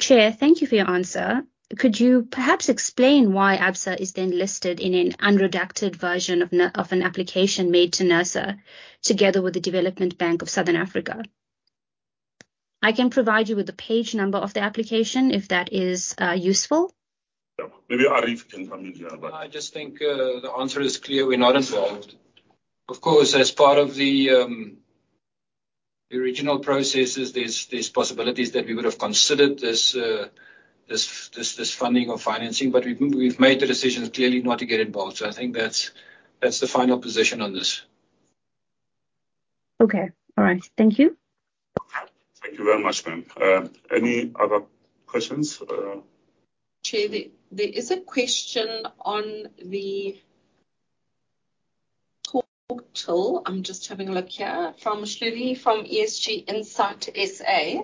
Chair, thank you for your answer. Could you perhaps explain why Absa is then listed in an unredacted version of an application made to NERSA, together with the Development Bank of Southern Africa? I can provide you with the page number of the application, if that is useful. Yeah. Maybe Arrie can come in here. I just think, the answer is clear, we're not involved. Of course, as part of the original processes, there's possibilities that we would have considered this funding or financing, but we've made the decision clearly not to get involved. I think that's the final position on this. Okay. All right. Thank you. Thank you very much, ma'am. Any other questions? Chair, there is a question on the talk tool. I'm just having a look here. From Shirley, from ESG Insight SA,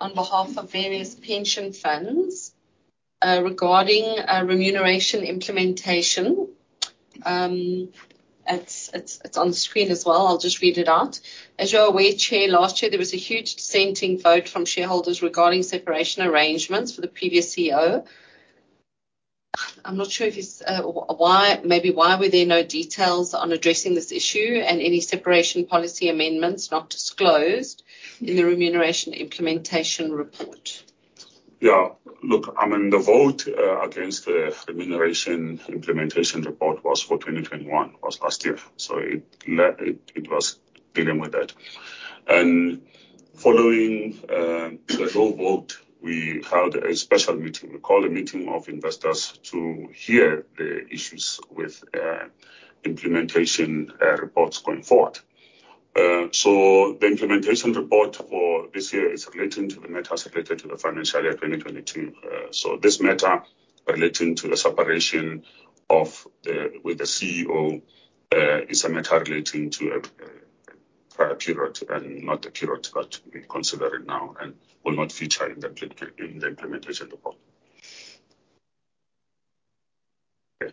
on behalf of various pension funds, regarding a remuneration implementation. It's on the screen as well. I'll just read it out. "As you're aware, Chair, last year, there was a huge dissenting vote from shareholders regarding separation arrangements for the previous CEO." I'm not sure if it's, "Maybe why were there no details on addressing this issue, and any separation policy amendments not disclosed in the remuneration implementation report? Yeah. Look, I mean, the vote against the remuneration implementation report was for 2021, was last year, so it was dealing with that. Following the low vote, we held a special meeting. We called a meeting of investors to hear the issues with implementation reports going forward. The implementation report for this year is relating to the matter related to the financial year 2022. This matter relating to the separation with the CEO is a matter relating to a prior period and not the period that we consider it now and will not feature in the implementation report. Okay.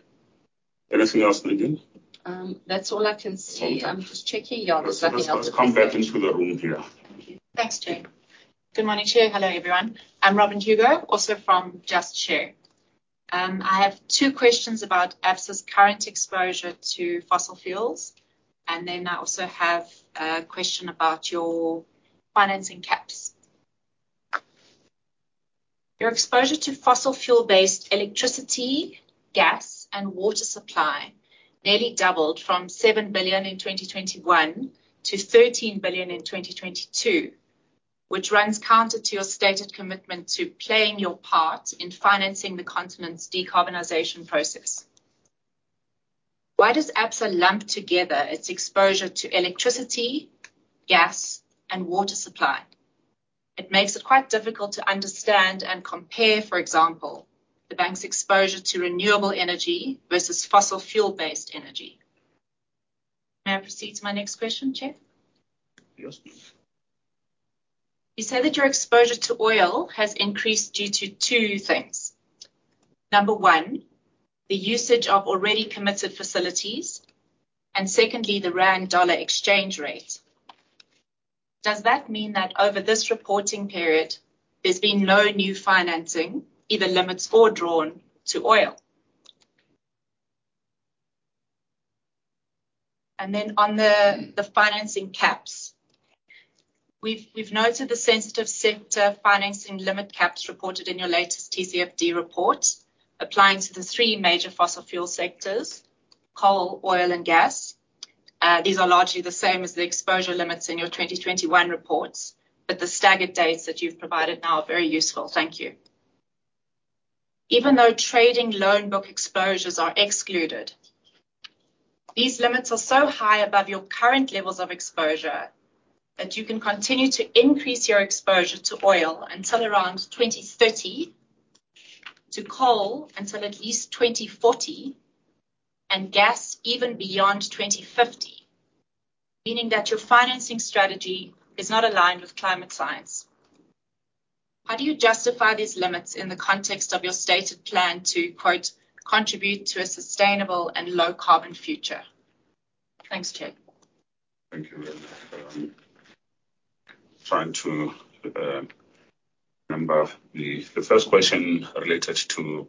Anything else, Nadine Drutman? That's all I can see. Okay. I'm just checking. Yeah, there's nothing else. Let's come back into the room here. Thanks, Chair. Good morning, Chair. Hello, everyone. I'm Robyn Hugo, also from Just Share. I have two questions about Absa's current exposure to fossil fuels, and then I also have a question about your financing caps. Your exposure to fossil fuel-based electricity, gas, and water supply nearly doubled from 7 billion in 2021 to 13 billion in 2022, which runs counter to your stated commitment to playing your part in financing the continent's decarbonization process. Why does Absa lump together its exposure to electricity, gas, and water supply? It makes it quite difficult to understand and compare, for example, the bank's exposure to renewable energy versus fossil fuel-based energy. May I proceed to my next question, Chair? Yes, please. You say that your exposure to oil has increased due to two things. Number one, the usage of already committed facilities, and secondly, the rand/dollar exchange rate. Does that mean that over this reporting period, there's been no new financing, either limits or drawn, to oil? On the financing caps, we've noted the sensitive sector financing limit caps reported in your latest TCFD report, applying to the three major fossil fuel sectors: coal, oil, and gas.... These are largely the same as the exposure limits in your 2021 reports, but the staggered dates that you've provided now are very useful. Thank you. Even though trading loan book exposures are excluded, these limits are so high above your current levels of exposure that you can continue to increase your exposure to oil until around 2030, to coal until at least 2040, and gas even beyond 2050, meaning that your financing strategy is not aligned with climate science. How do you justify these limits in the context of your stated plan to, quote, "Contribute to a sustainable and low-carbon future"? Thanks, Chair. Thank you. Trying to remember the first question related to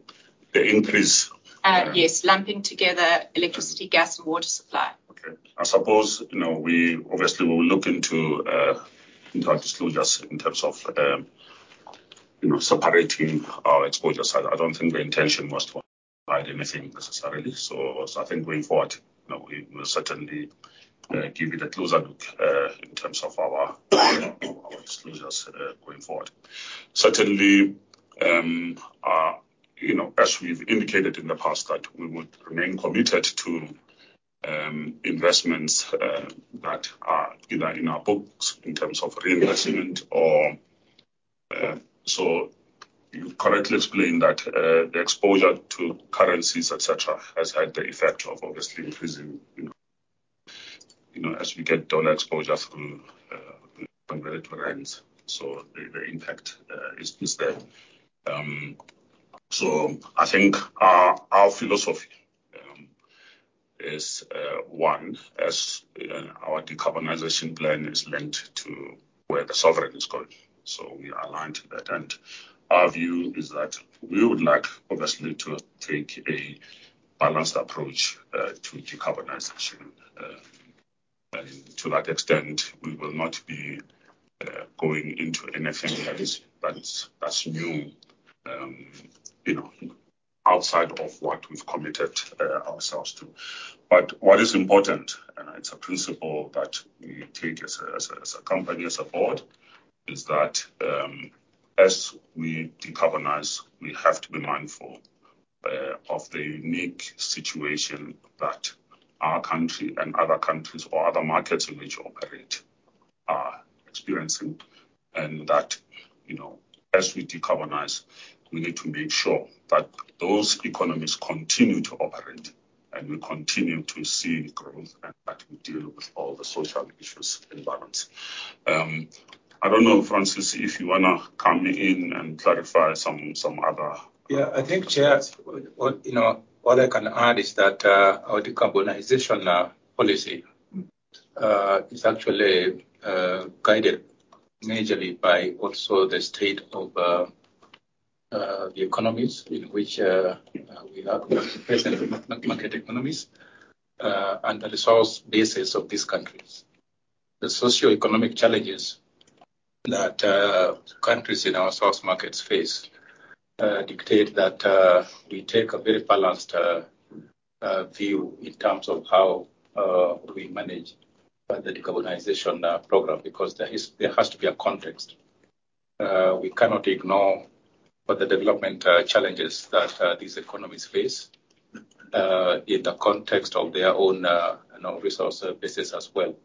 the increase-. Yes, lumping together electricity, gas, and water supply. Okay. I suppose, you know, we obviously will look into our disclosures in terms of, you know, separating our exposure. I don't think the intention was to hide anything necessarily. I think going forward, you know, we will certainly give it a closer look in terms of our disclosures going forward. Certainly, you know, as we've indicated in the past, that we would remain committed to investments that are either in our books in terms of reinvestment. You correctly explained that the exposure to currencies, et cetera, has had the effect of obviously increasing, you know, as we get down exposure through comparative rand. The impact is there. I think our philosophy is one, as our decarbonization plan is linked to where the sovereign is going, we are aligned to that. Our view is that we would like, obviously, to take a balanced approach to decarbonization. To that extent, we will not be going into anything that is new, you know, outside of what we've committed ourselves to. What is important, and it's a principle that we take as a company, as a board, is that, as we decarbonize, we have to be mindful of the unique situation that our country and other countries or other markets in which we operate are experiencing, and that, you know, as we decarbonize, we need to make sure that those economies continue to operate, and we continue to see growth, and that we deal with all the social issues in balance. I don't know, Francis, if you wanna come in and clarify some other- Yeah, I think, Chair, what, you know, what I can add is that our decarbonization policy is actually guided majorly by also the state of the economies in which we have present market economies and the resource basis of these countries. The socioeconomic challenges that countries in our source markets face dictate that we take a very balanced view in terms of how we manage the decarbonization program, because there has to be a context. We cannot ignore what the development challenges that these economies face in the context of their own, you know, resource basis as well.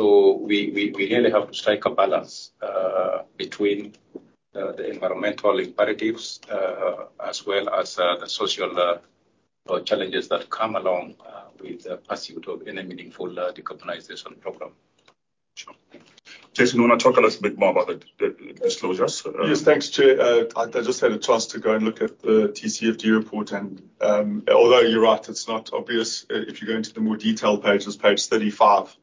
We really have to strike a balance between the environmental imperatives as well as the social challenges that come along with the pursuit of any meaningful decarbonization program. Sure. Jason, you want to talk a little bit more about the disclosures? Yes. Thanks, Chair. I just had a chance to go and look at the TCFD report and, although you're right, it's not obvious, if you go into the more detailed pages, page 35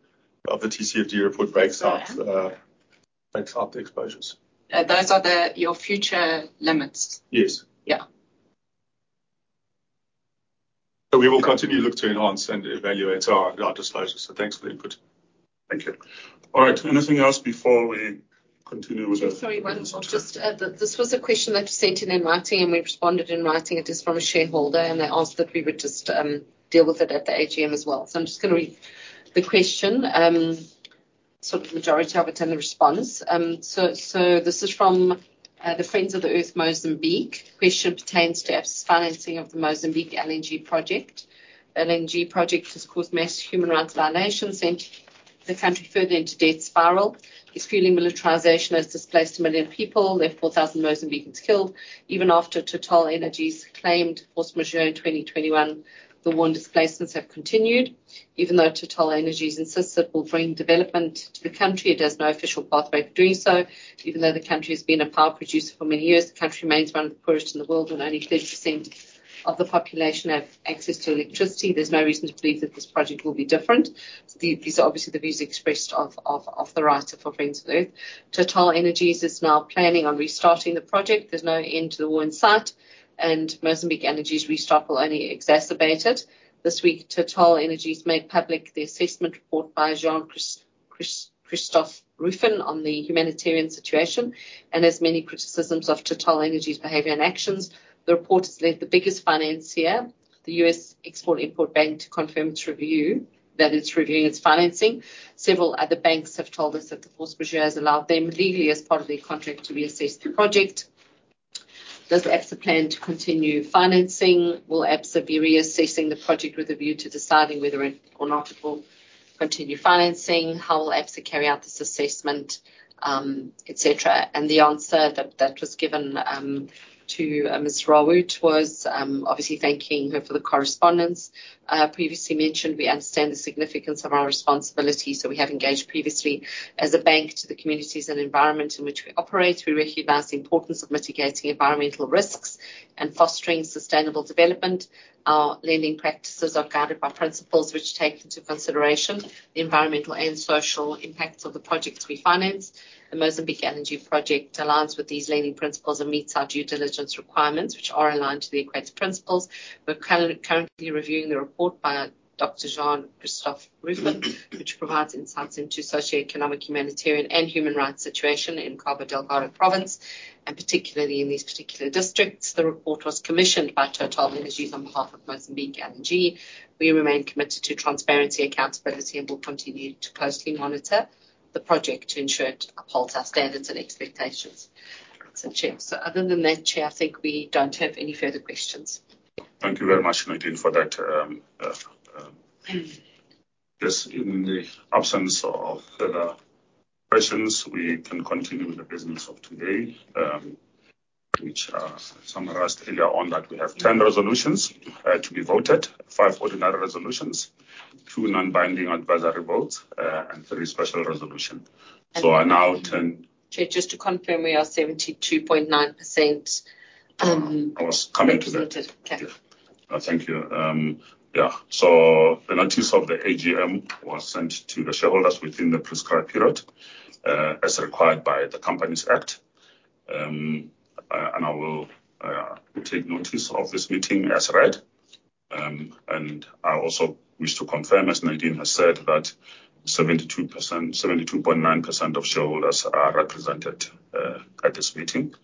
of the TCFD report breaks out the exposures. Those are your future limits. Yes. Yeah. We will continue to look to enhance and evaluate our disclosures, so thanks for the input. Thank you. All right, anything else before we continue? Sorry, I'll just add that this was a question that was sent in in writing, we responded in writing. It is from a shareholder, they asked that we would just deal with it at the AGM as well. I'm just gonna read the question, sort of majority of it, and the response. This is from the Friends of the Earth Mozambique. Question pertains to Absa financing of the Mozambique LNG project. LNG project has caused mass human rights violations, sent the country further into debt spiral. It's fueling militarization, has displaced 1 million people, left 4,000 Mozambicans killed. Even after TotalEnergies claimed force majeure in 2021, the war and displacements have continued. Even though TotalEnergies insists it will bring development to the country, it has no official pathway for doing so. Even though the country has been a power producer for many years, the country remains one of the poorest in the world, and only 30% of the population have access to electricity. There's no reason to believe that this project will be different. These are obviously the views expressed of the writer for Friends of the Earth. TotalEnergies is now planning on restarting the project. There's no end to the war in sight. Mozambique Energy's restart will only exacerbate it. This week, TotalEnergies made public the assessment report by Jean-Christophe Rufin on the humanitarian situation, and there's many criticisms of TotalEnergies' behavior and actions. The report has led the biggest financier, the U.S. Export-Import Bank, to confirm its review, that it's reviewing its financing. Several other banks have told us that the force majeure has allowed them, legally, as part of their contract, to reassess the project. Does Absa plan to continue financing? Will Absa be reassessing the project with a view to deciding whether or not it will continue financing? How will Absa carry out this assessment, et cetera? The answer that was given to Ms. Rawoot was obviously thanking her for the correspondence. Previously mentioned, we understand the significance of our responsibility, so we have engaged previously as a bank to the communities and environment in which we operate. We recognize the importance of mitigating environmental risks and fostering sustainable development. Our lending practices are guided by principles which take into consideration the environmental and social impacts of the projects we finance. The Mozambique Energy project aligns with these lending principles and meets our due diligence requirements, which are aligned to the Equator Principles. We're currently reviewing the report by a Dr. Jean-Christophe Rufin, which provides insights into socioeconomic, humanitarian, and human rights situation in Cabo Delgado province, and particularly in these particular districts. The report was commissioned by TotalEnergies on behalf of Mozambique Energy. We remain committed to transparency, accountability, and will continue to closely monitor the project to ensure it upholds our standards and expectations. Other than that, Chair, I think we don't have any further questions. Thank you very much, Nadine, for that. In the absence of further questions, we can continue with the business of today, which summarized earlier on, that we have 10 resolutions to be voted. Five ordinary resolutions, two non-binding advisory votes, and three special resolution. I now turn. Chair, just to confirm, we are 72.9%. I was coming to that. Represented. Okay. Thank you. The notice of the AGM was sent to the shareholders within the prescribed period, as required by the Companies Act. I will take notice of this meeting as read. I also wish to confirm, as Nadine has said, that 72.9% of shareholders are represented at this meeting.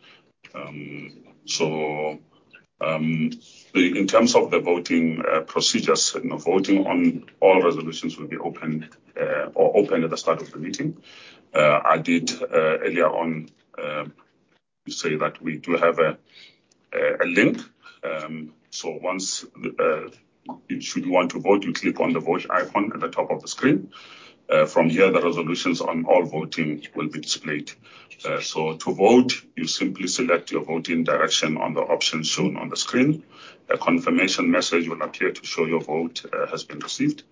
In terms of the voting procedures, you know, voting on all resolutions will be opened or opened at the start of the meeting. I did earlier on say that we do have a link. Once should you want to vote, you click on the Vote icon at the top of the screen. From here, the resolutions on all voting will be displayed. To vote, you simply select your voting direction on the options shown on the screen. A confirmation message will appear to show your vote has been received.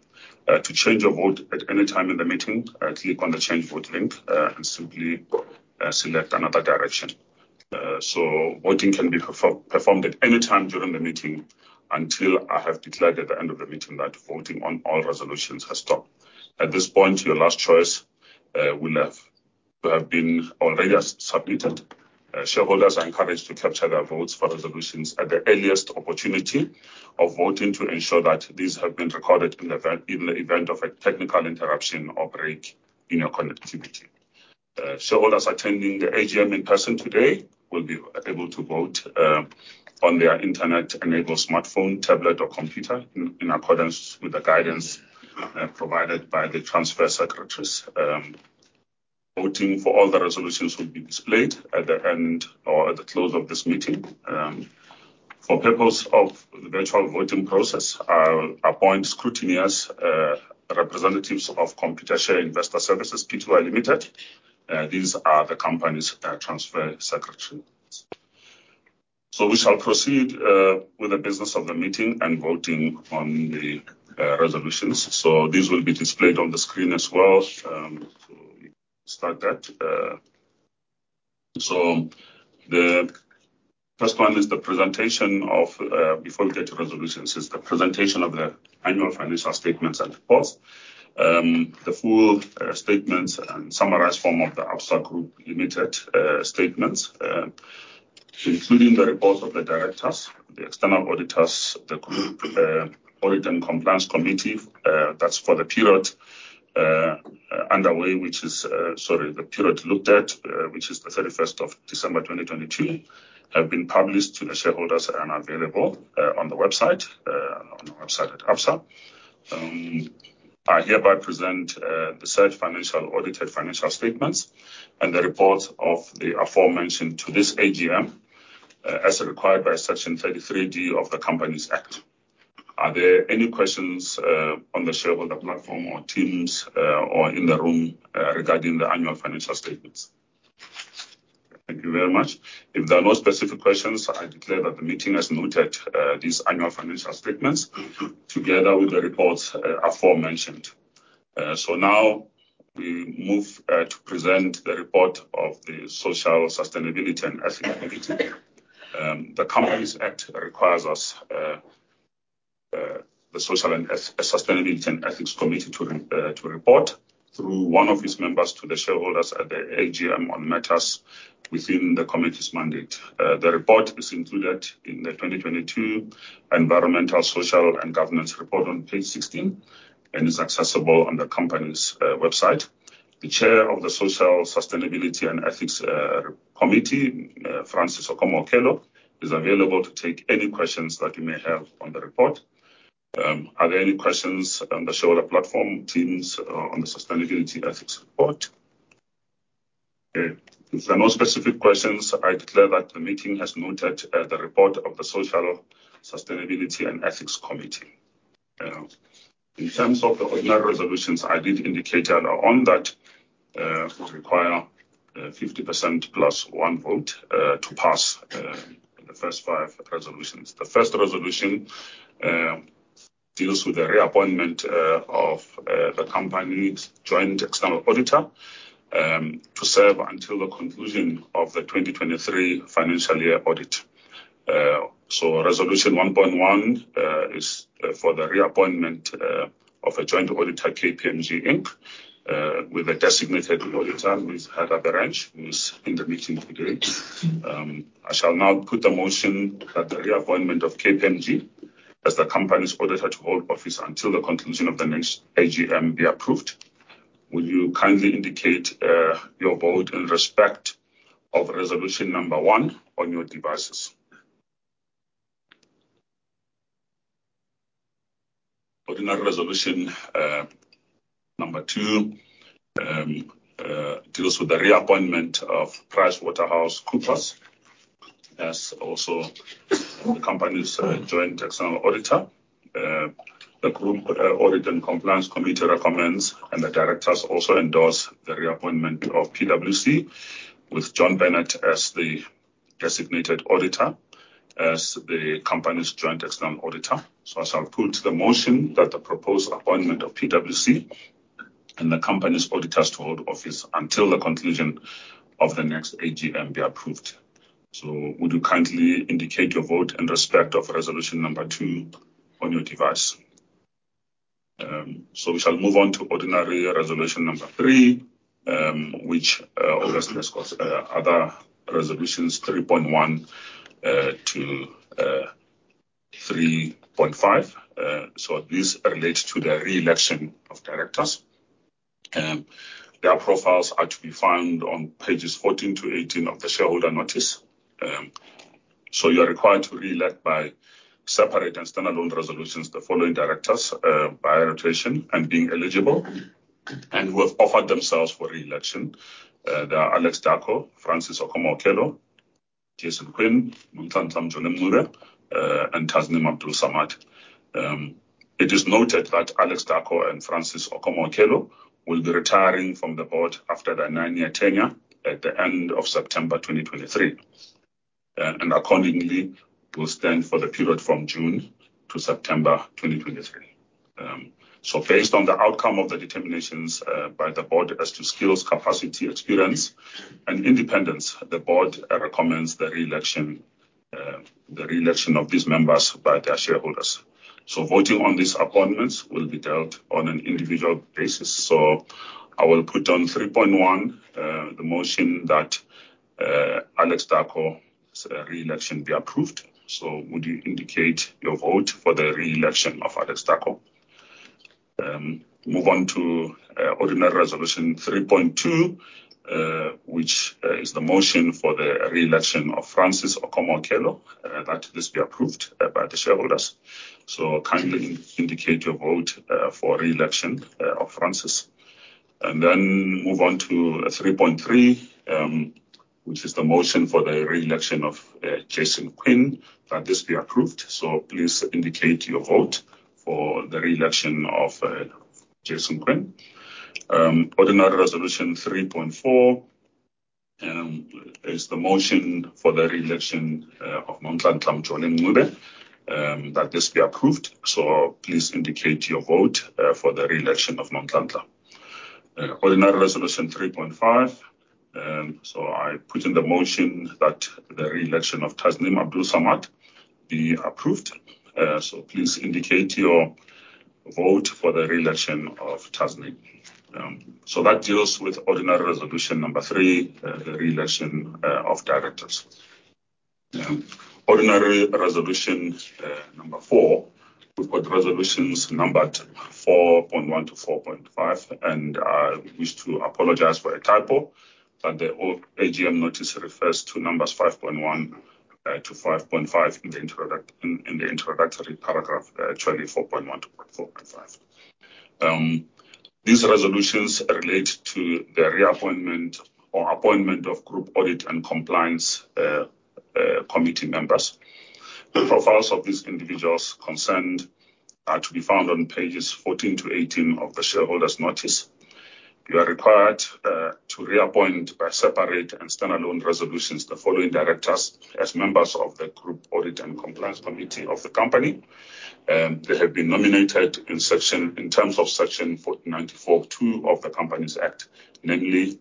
To change your vote at any time in the meeting, click on the Change Vote link and simply select another direction. Voting can be performed at any time during the meeting until I have declared at the end of the meeting that voting on all resolutions has stopped. At this point, your last choice will have been already as submitted. Shareholders are encouraged to capture their votes for resolutions at the earliest opportunity of voting, to ensure that these have been recorded in the event of a technical interruption or break in your connectivity. Shareholders attending the AGM in person today will be able to vote on their internet-enabled smartphone, tablet, or computer, in accordance with the guidance provided by the transfer secretaries. Voting for all the resolutions will be displayed at the end or at the close of this meeting. For purpose of the virtual voting process, I'll appoint scrutineers, representatives of Computershare Investor Services Pty Limited, these are the company's transfer secretaries. We shall proceed with the business of the meeting and voting on the resolutions. These will be displayed on the screen as well. We start that. The first one is the presentation of the annual financial statements and reports. The full statements and summarized form of the Absa Group Limited statements, including the reports of the directors, the external auditors, the Group Audit and Compliance Committee. That's for the period underway, which is... Sorry, the period looked at, which is the 31st of December, 2022, have been published to the shareholders and are available on the website, on the website at Absa. I hereby present the said audited financial statements and the reports of the aforementioned to this AGM, as required by Section 33D of the Companies Act. Are there any questions on the shareholder platform or teams, or in the room, regarding the annual financial statements? Thank you very much. If there are no specific questions, I declare that the meeting has noted these annual financial statements together with the reports aforementioned. Now we move to present the report of the Social, Sustainability and Ethics Committee. The Companies Act requires us the Social and Sustainability and Ethics Committee to report through one of its members to the shareholders at the AGM on matters within the committee's mandate. The report is included in the 2022 Environmental, Social, and Governance report on page 16 and is accessible on the company's website. The Chair of the Social and Sustainability and Ethics Committee, Francis Okomo-Okello, is available to take any questions that you may have on the report. Are there any questions on the shareholder platform, teams, on the Sustainability Ethics Report? Okay. If there are no specific questions, I declare that the meeting has noted, the report of the Social, Sustainability and Ethics Committee. In terms of the ordinary resolutions, I did indicate earlier on that would require 50% plus 1 vote to pass the first five resolutions. The first resolution, deals with the reappointment of the company's joint external auditor, to serve until the conclusion of the 2023 financial year audit. So Resolution 1.1, is for the reappointment of a joint auditor, KPMG Inc., with a designated auditor, Ms. Heather Berrange, who is in the meeting today. I shall now put the motion that the reappointment of KPMG as the company's auditor to hold office until the conclusion of the next AGM be approved. Will you kindly indicate your vote in respect of resolution one on your devices? Ordinary resolution two deals with the reappointment of PricewaterhouseCoopers as also the company's joint external auditor. The Group Audit and Compliance Committee recommends, the directors also endorse the reappointment of PwC with John Bennett as the designated auditor, as the company's joint external auditor. I shall put the motion that the proposed appointment of PwC and the company's auditors to hold office until the conclusion of the next AGM be approved. Would you kindly indicate your vote in respect of resolution two on your device? We shall move on to ordinary resolution three, which also discuss other resolutions, 3.1 to 3.5. These relate to the re-election of directors, their profiles are to be found on pages 14 to 18 of the shareholder notice. You are required to re-elect by separate and standalone resolutions, the following directors, by rotation and being eligible, and who have offered themselves for re-election. They are Alex Darko, Francis Okomo-Okello, Jason Quinn, Montlantla Mhlongo, and Tasneem Abdool-Samad. It is noted that Alex Darko and Francis Okomo-Okello will be retiring from the board after their nine-year tenure at the end of September 2023, and accordingly, will stand for the period from June to September 2023. Based on the outcome of the determinations by the board as to skills, capacity, experience, and independence, the board recommends the re-election of these members by their shareholders. Voting on these appointments will be dealt on an individual basis. I will put on 3.1, the motion that Alex Darko's re-election be approved. Would you indicate your vote for the re-election of Alex Darko? Move on to ordinary resolution 3.2, which is the motion for the re-election of Francis Okomo-Okello, that this be approved by the shareholders. Kindly indicate your vote for re-election of Francis. Move on to 3.3, which is the motion for the re-election of Jason Quinn, that this be approved. Please indicate your vote for the re-election of Jason Quinn. Ordinary resolution 3.4 is the motion for the re-election of Montlantla Mhlongo, that this be approved. Please indicate your vote for the re-election of Montlantla. Ordinary resolution 3.5, I put in the motion that the re-election of Tasneem Abdool-Samad be approved. Please indicate your vote for the re-election of Tasneem. That deals with ordinary resolution three, re-election of directors. Ordinary resolution four. We've got resolutions numbered 4.1 to 4.5, and I wish to apologize for a typo, but the AGM notice refers to numbers 5.1 to 5.5 in the introductory paragraph, actually 4.1 to 4.5. These resolutions relate to the reappointment or appointment of Group Audit and Compliance Committee members. The profiles of these individuals concerned are to be found on pages 14 to 18 of the shareholders' notice. You are required to reappoint, by separate and standalone resolutions, the following directors as members of the Group Audit and Compliance Committee of the company. They have been nominated in terms of Section 94(2) of the Companies Act, namely,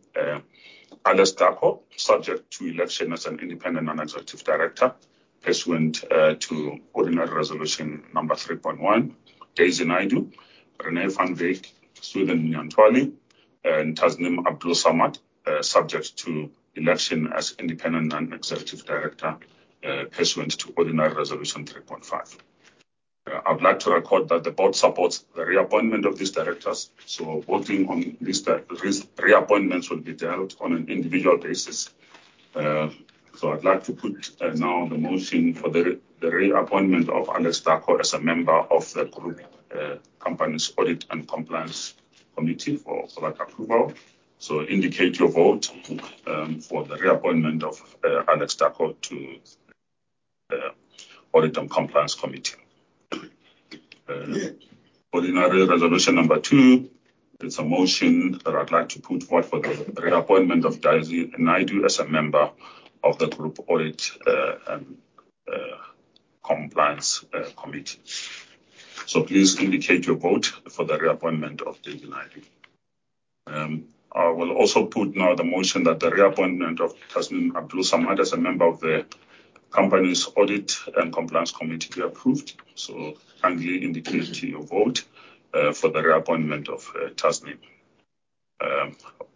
Alex Darko, subject to election as an independent non-executive director, pursuant to ordinary resolution number 3.1. Daisy Naidoo, René van Wyk, Susan Nientuoli, and Tasneem Abdool-Samad, subject to election as an independent non-executive director, pursuant to ordinary resolution 3.5. I would like to record that the board supports the reappointment of these directors, so voting on these reappointments will be dealt on an individual basis. I'd like to put now the motion for the reappointment of Alex Darko as a member of the Group company's Audit and Compliance Committee for that approval. Indicate your vote for the reappointment of Alex Darko to Audit and Compliance Committee. Ordinary resolution number two is a motion that I'd like to put forward for the reappointment of Daisy Naidoo as a member of the Group Audit and Compliance Committee. Please indicate your vote for the reappointment of Daisy Naidoo. I will also put now the motion that the reappointment of Tasneem Abdool-Samad as a member of the company's Audit and Compliance Committee be approved. Kindly indicate your vote for the reappointment of Tasneem.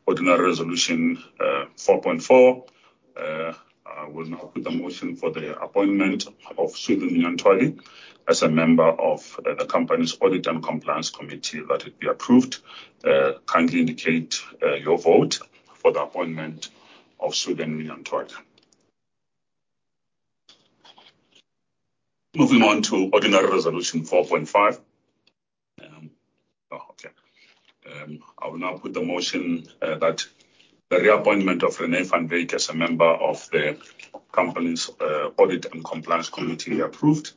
Ordinary resolution 4.4, I will now put the motion for the appointment of Susan Nientuloi as a member of the company's Audit and Compliance Committee, that it be approved. Kindly indicate your vote for the appointment of Susan Nientuloi. Moving on to ordinary resolution 4.5. Oh, okay. I will now put the motion that the reappointment of René van Wyk as a member of the company's Audit and Compliance Committee be approved.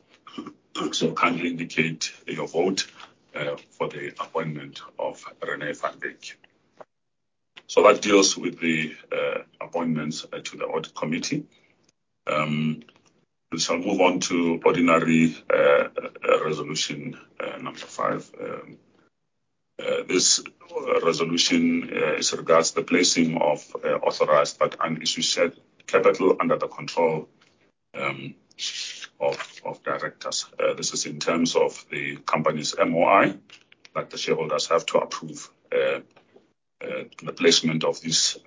Kindly indicate your vote for the appointment of René van Wyk. That deals with the appointments to the audit committee. We shall move on to ordinary resolution number five. This resolution as regards the placing of authorized but unissued shared capital under the control of directors. This is in terms of the company's MOI, the shareholders have to approve the placement of this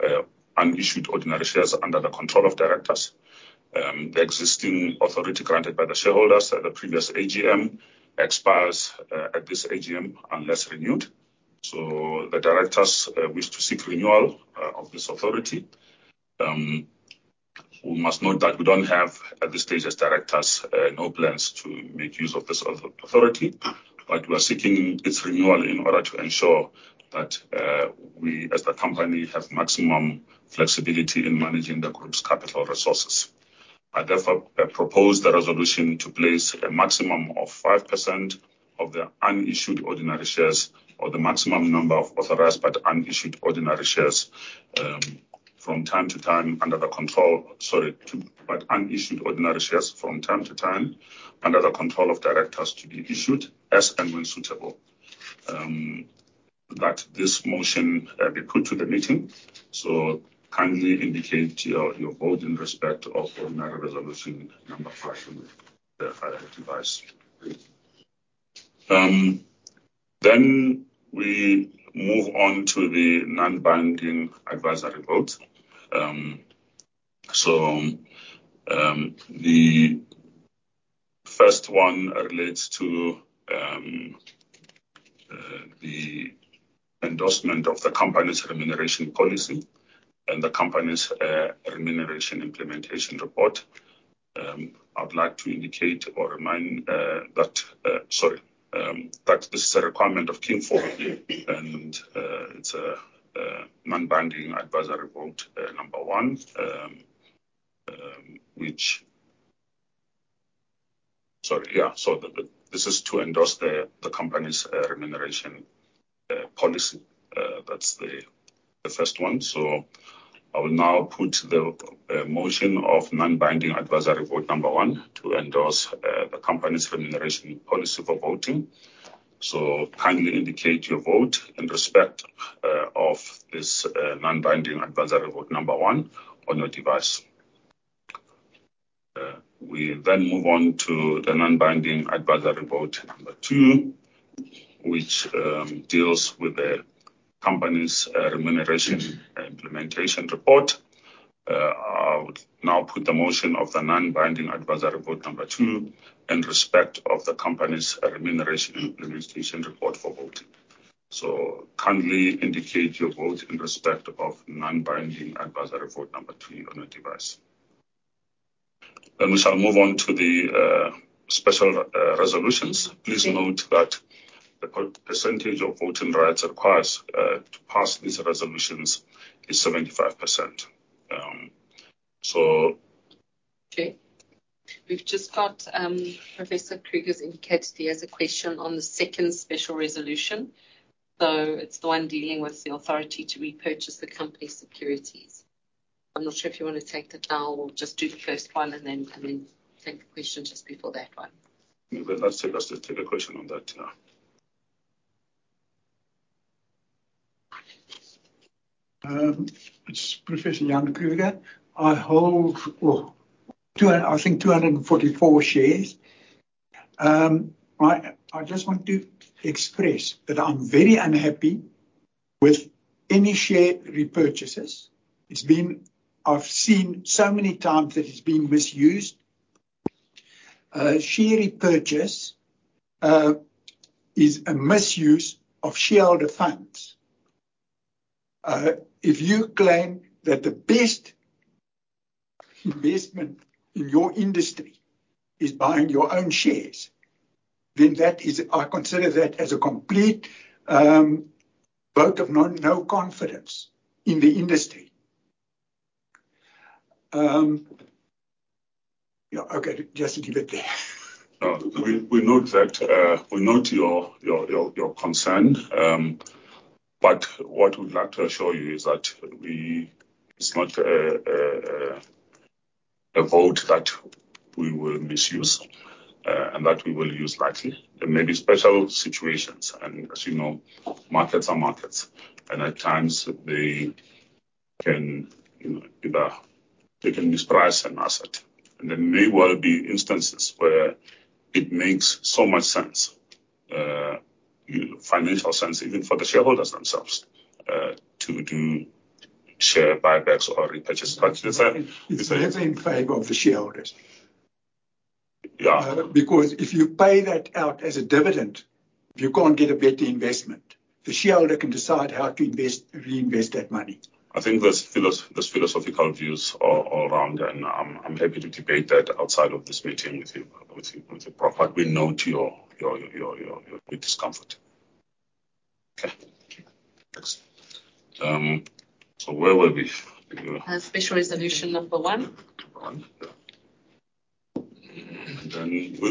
unissued ordinary shares under the control of directors. The existing authority granted by the shareholders at the previous AGM expires at this AGM, unless renewed. The directors wish to seek renewal of this authority. We must note that we don't have, at this stage, as directors, no plans to make use of this authority, but we are seeking its renewal in order to ensure that we, as the company, have maximum flexibility in managing the group's capital resources. I therefore propose the resolution to place a maximum of 5% of the unissued ordinary shares or the maximum number of authorized but unissued ordinary shares, from time to time, under the control... Unissued ordinary shares from time to time, under the control of directors to be issued as and when suitable. That this motion be put to the meeting, kindly indicate your vote in respect of ordinary resolution number five on your device. We move on to the non-binding advisory vote. The first one relates to the endorsement of the company's remuneration policy and the company's remuneration implementation report. I would like to indicate or remind that this is a requirement of King IV, and it's a non-binding advisory vote number one. This is to endorse the company's remuneration policy. That's the first one. I will now put the motion of non-binding advisory vote number one, to endorse the company's remuneration policy for voting. Kindly indicate your vote in respect of this non-binding advisory vote number 1 on your device. We then move on to the non-binding advisory vote number 2, which deals with the company's remuneration implementation report. I would now put the motion of the non-binding advisory vote number two in respect of the company's remuneration implementation report for voting. Kindly indicate your vote in respect of non-binding advisory vote number two on your device. We shall move on to the special resolutions. Please note that the percentage of voting rights required to pass these resolutions is 75%. We've just got Professor Kruger's indicated he has a question on the second special resolution. It's the one dealing with the authority to repurchase the company's securities. I'm not sure if you want to take that now or just do the first one and then take the question just before that one. Let's take a question on that now. It's Professor Jan Kruger. I hold, 2, I think 244 shares. I just want to express that I'm very unhappy... With any share repurchases, I've seen so many times that it's been misused. Share repurchase is a misuse of shareholder funds. If you claim that the best investment in your industry is buying your own shares, then I consider that as a complete vote of no confidence in the industry. Yeah, okay, just leave it there. We note that we note your concern. What we'd like to assure you is that we. It's not a vote that we will misuse and that we will use lightly. There may be special situations, as you know, markets are markets, and at times they can, you know, they can misprice an asset. There may well be instances where it makes so much sense, you know, financial sense, even for the shareholders themselves, to do share buybacks or repurchases. You say, you say- It's always in favor of the shareholders. Yeah. If you pay that out as a dividend, you can't get a better investment. The shareholder can decide how to invest, reinvest that money. I think those philosophical views are wrong. I'm happy to debate that outside of this meeting with you. We note your discomfort. Okay, thank you. Where were we? Special resolution number one. One, yeah.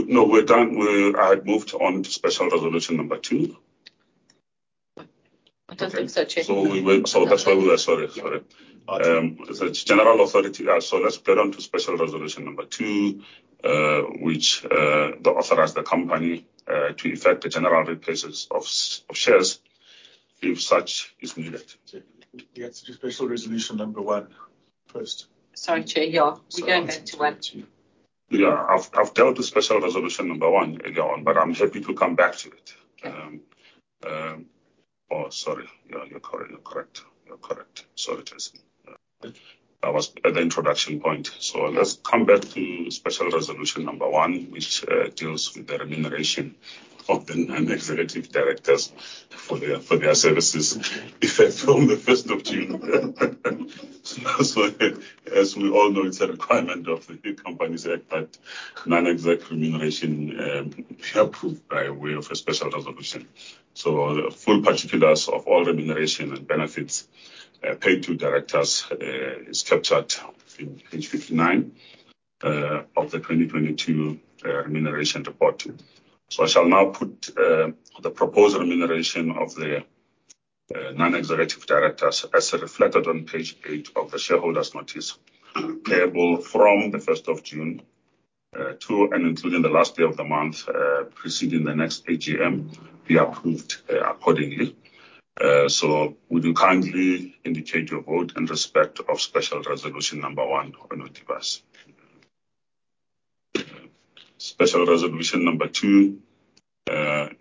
No, we're done. We, I had moved on to special resolution number two. I don't think so, Chair. That's why we are sorry. Yeah. It's general authority. Let's go down to special resolution number two, which, to authorize the company, to effect the general repurchases of shares, if such is needed. Yeah, special resolution number one first. Sorry, Chair. Yeah, we're going back to one. Yeah, I've dealt with special resolution number one earlier on. I'm happy to come back to it. Yeah. Oh, sorry. Yeah, you're correct. Sorry, Jason. Okay. That was at the introduction point. Let's come back to special resolution number one, which deals with the remuneration of the non-executive directors for their services effect from the 1st of June. As we all know, it's a requirement of the Companies Act, but non-exec remuneration are approved by way of a special resolution. The full particulars of all remuneration and benefits paid to directors is captured in page 59 of the 2022 remuneration report. I shall now put the proposed remuneration of the non-executive directors, as reflected on page eight of the shareholders' notice, payable from the 1st of June to and including the last day of the month preceding the next AGM, be approved accordingly. Would you kindly indicate your vote in respect of special resolution number one on your device? Special resolution number two is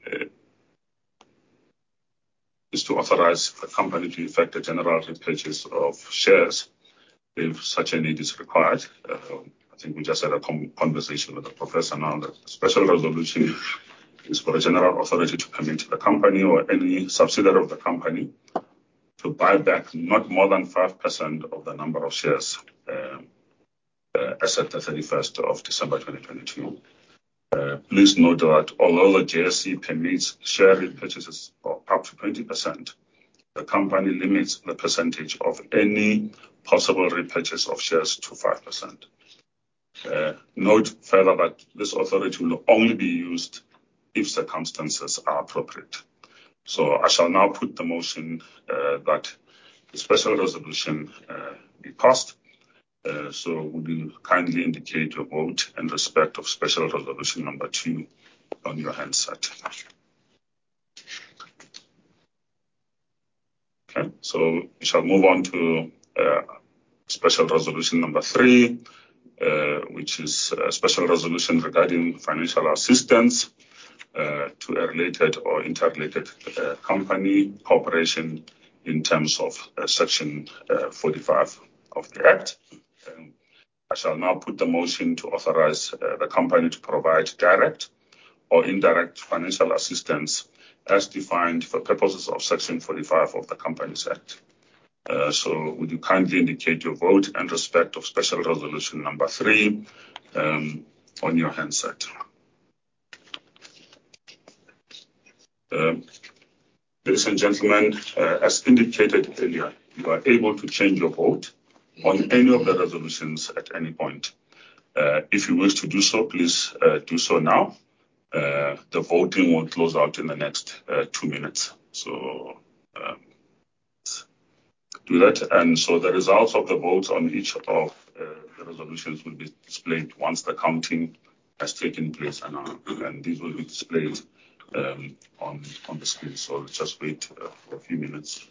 to authorize the company to effect the general repurchase of shares if such a need is required. I think we just had a conversation with the professor now that the special resolution is for the general authority to permit the company or any subsidiary of the company to buy back not more than 5% of the number of shares as at the 31st of December, 2022. Please note that although the JSE permits share repurchases for up to 20%, the company limits the percentage of any possible repurchase of shares to 5%. Note further that this authority will only be used if circumstances are appropriate. I shall now put the motion that the special resolution be passed. Would you kindly indicate your vote in respect of special resolution number two on your handset? We shall move on to special resolution number three, which is a special resolution regarding financial assistance to a related or interrelated company corporation in terms of Section 45 of the Act. I shall now put the motion to authorize the company to provide direct or indirect financial assistance as defined for purposes of Section 45 of the Companies Act. Would you kindly indicate your vote in respect of special resolution number three on your handset? Ladies and gentlemen, as indicated earlier, you are able to change your vote on any of the resolutions at any point. If you wish to do so, please do so now. The voting will close out in the next two minutes. Do that. The results of the vote on each of the resolutions will be displayed once the counting has taken place, and these will be displayed on the screen. Let's just wait for a few minutes.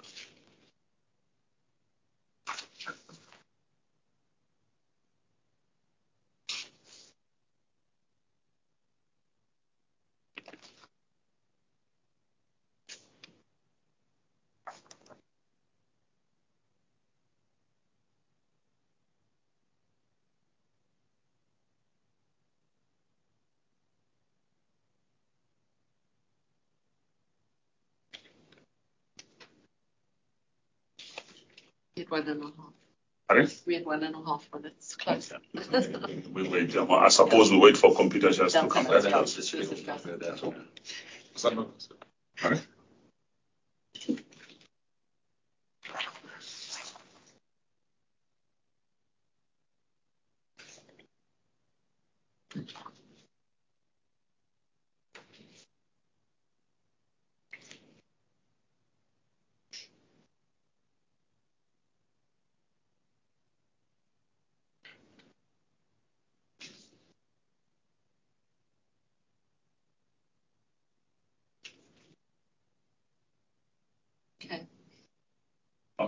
We have one and a half. Pardon? We have one and a half minutes close. We'll wait. I suppose we wait for Computershare just to. Yeah, computer. All right.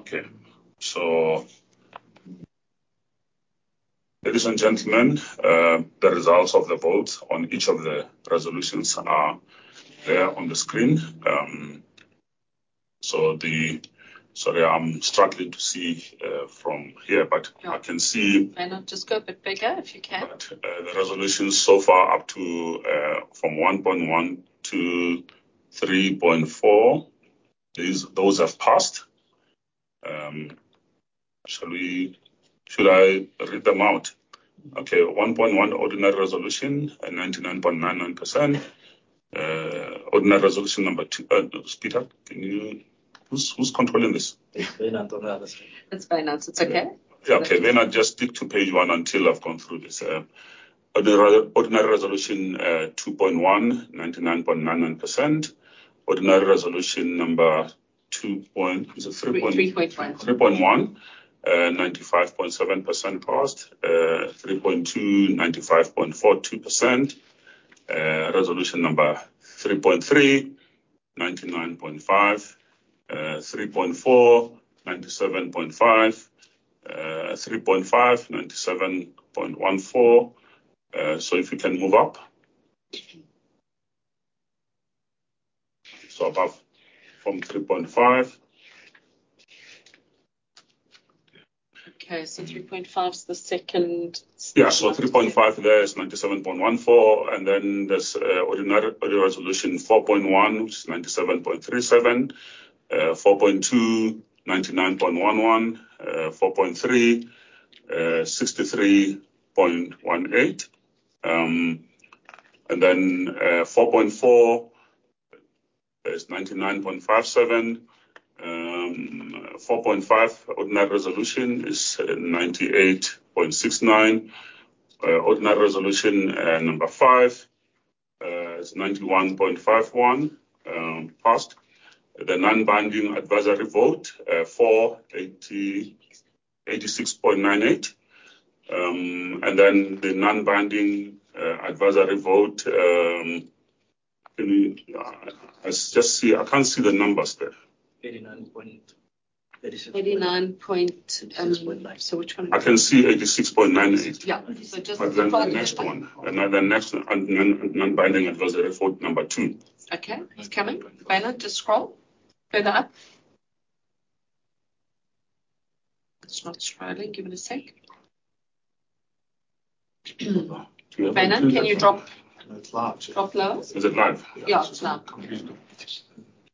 Okay. Okay. Ladies and gentlemen, the results of the vote on each of the resolutions are there on the screen. Sorry, I'm struggling to see, from here, but I can see- Why not just go a bit bigger, if you can? The resolutions so far up to from 1.1 to 3.4, those have passed. Shall I read them out? Okay, 1.1 ordinary resolution at 99.99%. Ordinary resolution number two, Peter, can you... Who's controlling this? It's finance on the other side. It's finance. It's okay. Yeah. Okay, I'll just stick to page one until I've gone through this. ordinary resolution 2.1, 99.99%. Ordinary resolution number two. Is it 3.? 3.1. 3.1, 95.7% passed. 3.2, 95.42%. resolution number 3.3, 99.5%. 3.4, 97.5%. 3.5, 97.14%. If you can move up. Above from 3.5. Okay, 3.5 is the second-. 3.5 there is 97.14%. There's ordinary order resolution 4.1, which is 97.37%. 4.2, 99.11%. 4.3, 63.18%. 4.4 is 99.57%. 4.5, ordinary resolution is 98.69%. Ordinary resolution number 5 is 91.51%, passed. The non-binding advisory vote, 4, 86.98%. The non-binding advisory vote, can you... I just see, I can't see the numbers there. 89 point, which one? I can see 86.98. Yeah, so. The next one, non-binding advisory vote number two. Okay, it's coming. Why not just scroll further up? It's not scrolling. Give it a sec. Ben, can you. It's large. Drop lower? Is it live? Yeah, it's live. Okay.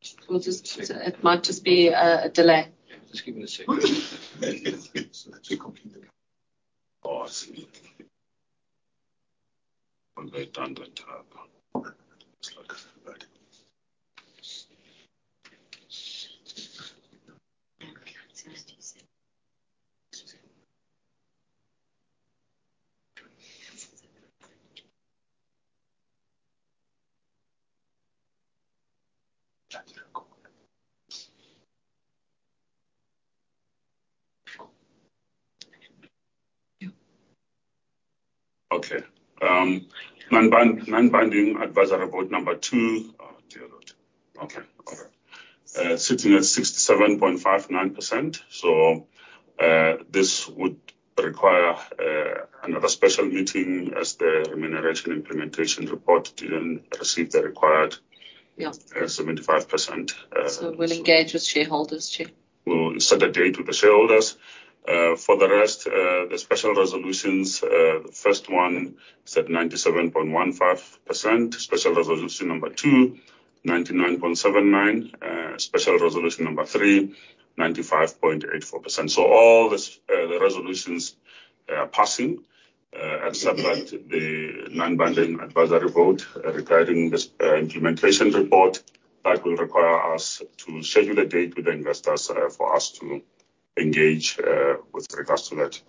It might just be a delay. Just give it a second. Oh, I see. When they've done that. It's like, but... Thank you. Okay, non-binding advisory vote number two. Oh, dear Lord! Okay. Sitting at 67.59%, this would require another special meeting as the remuneration implementation report didn't receive the required- Yeah... 75%, We'll engage with shareholders, too. We'll set a date with the shareholders. For the rest, the special resolutions, the first one is at 97.15%. Special resolution number two, 99.79%. Special resolution number three, 95.84%. All the resolutions passing, except that the non-binding advisory vote regarding the implementation report, that will require us to schedule a date with the investors for us to engage with regards to that.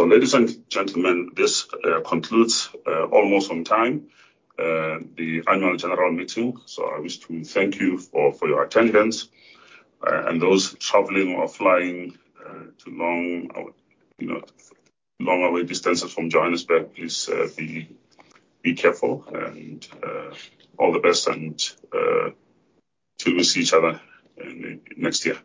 Ladies and gentlemen, this concludes almost on time the annual general meeting. I wish to thank you for your attendance, and those traveling or flying to long hour, you know, long away distances from Johannesburg, please be careful, and all the best, and till we see each other in next year.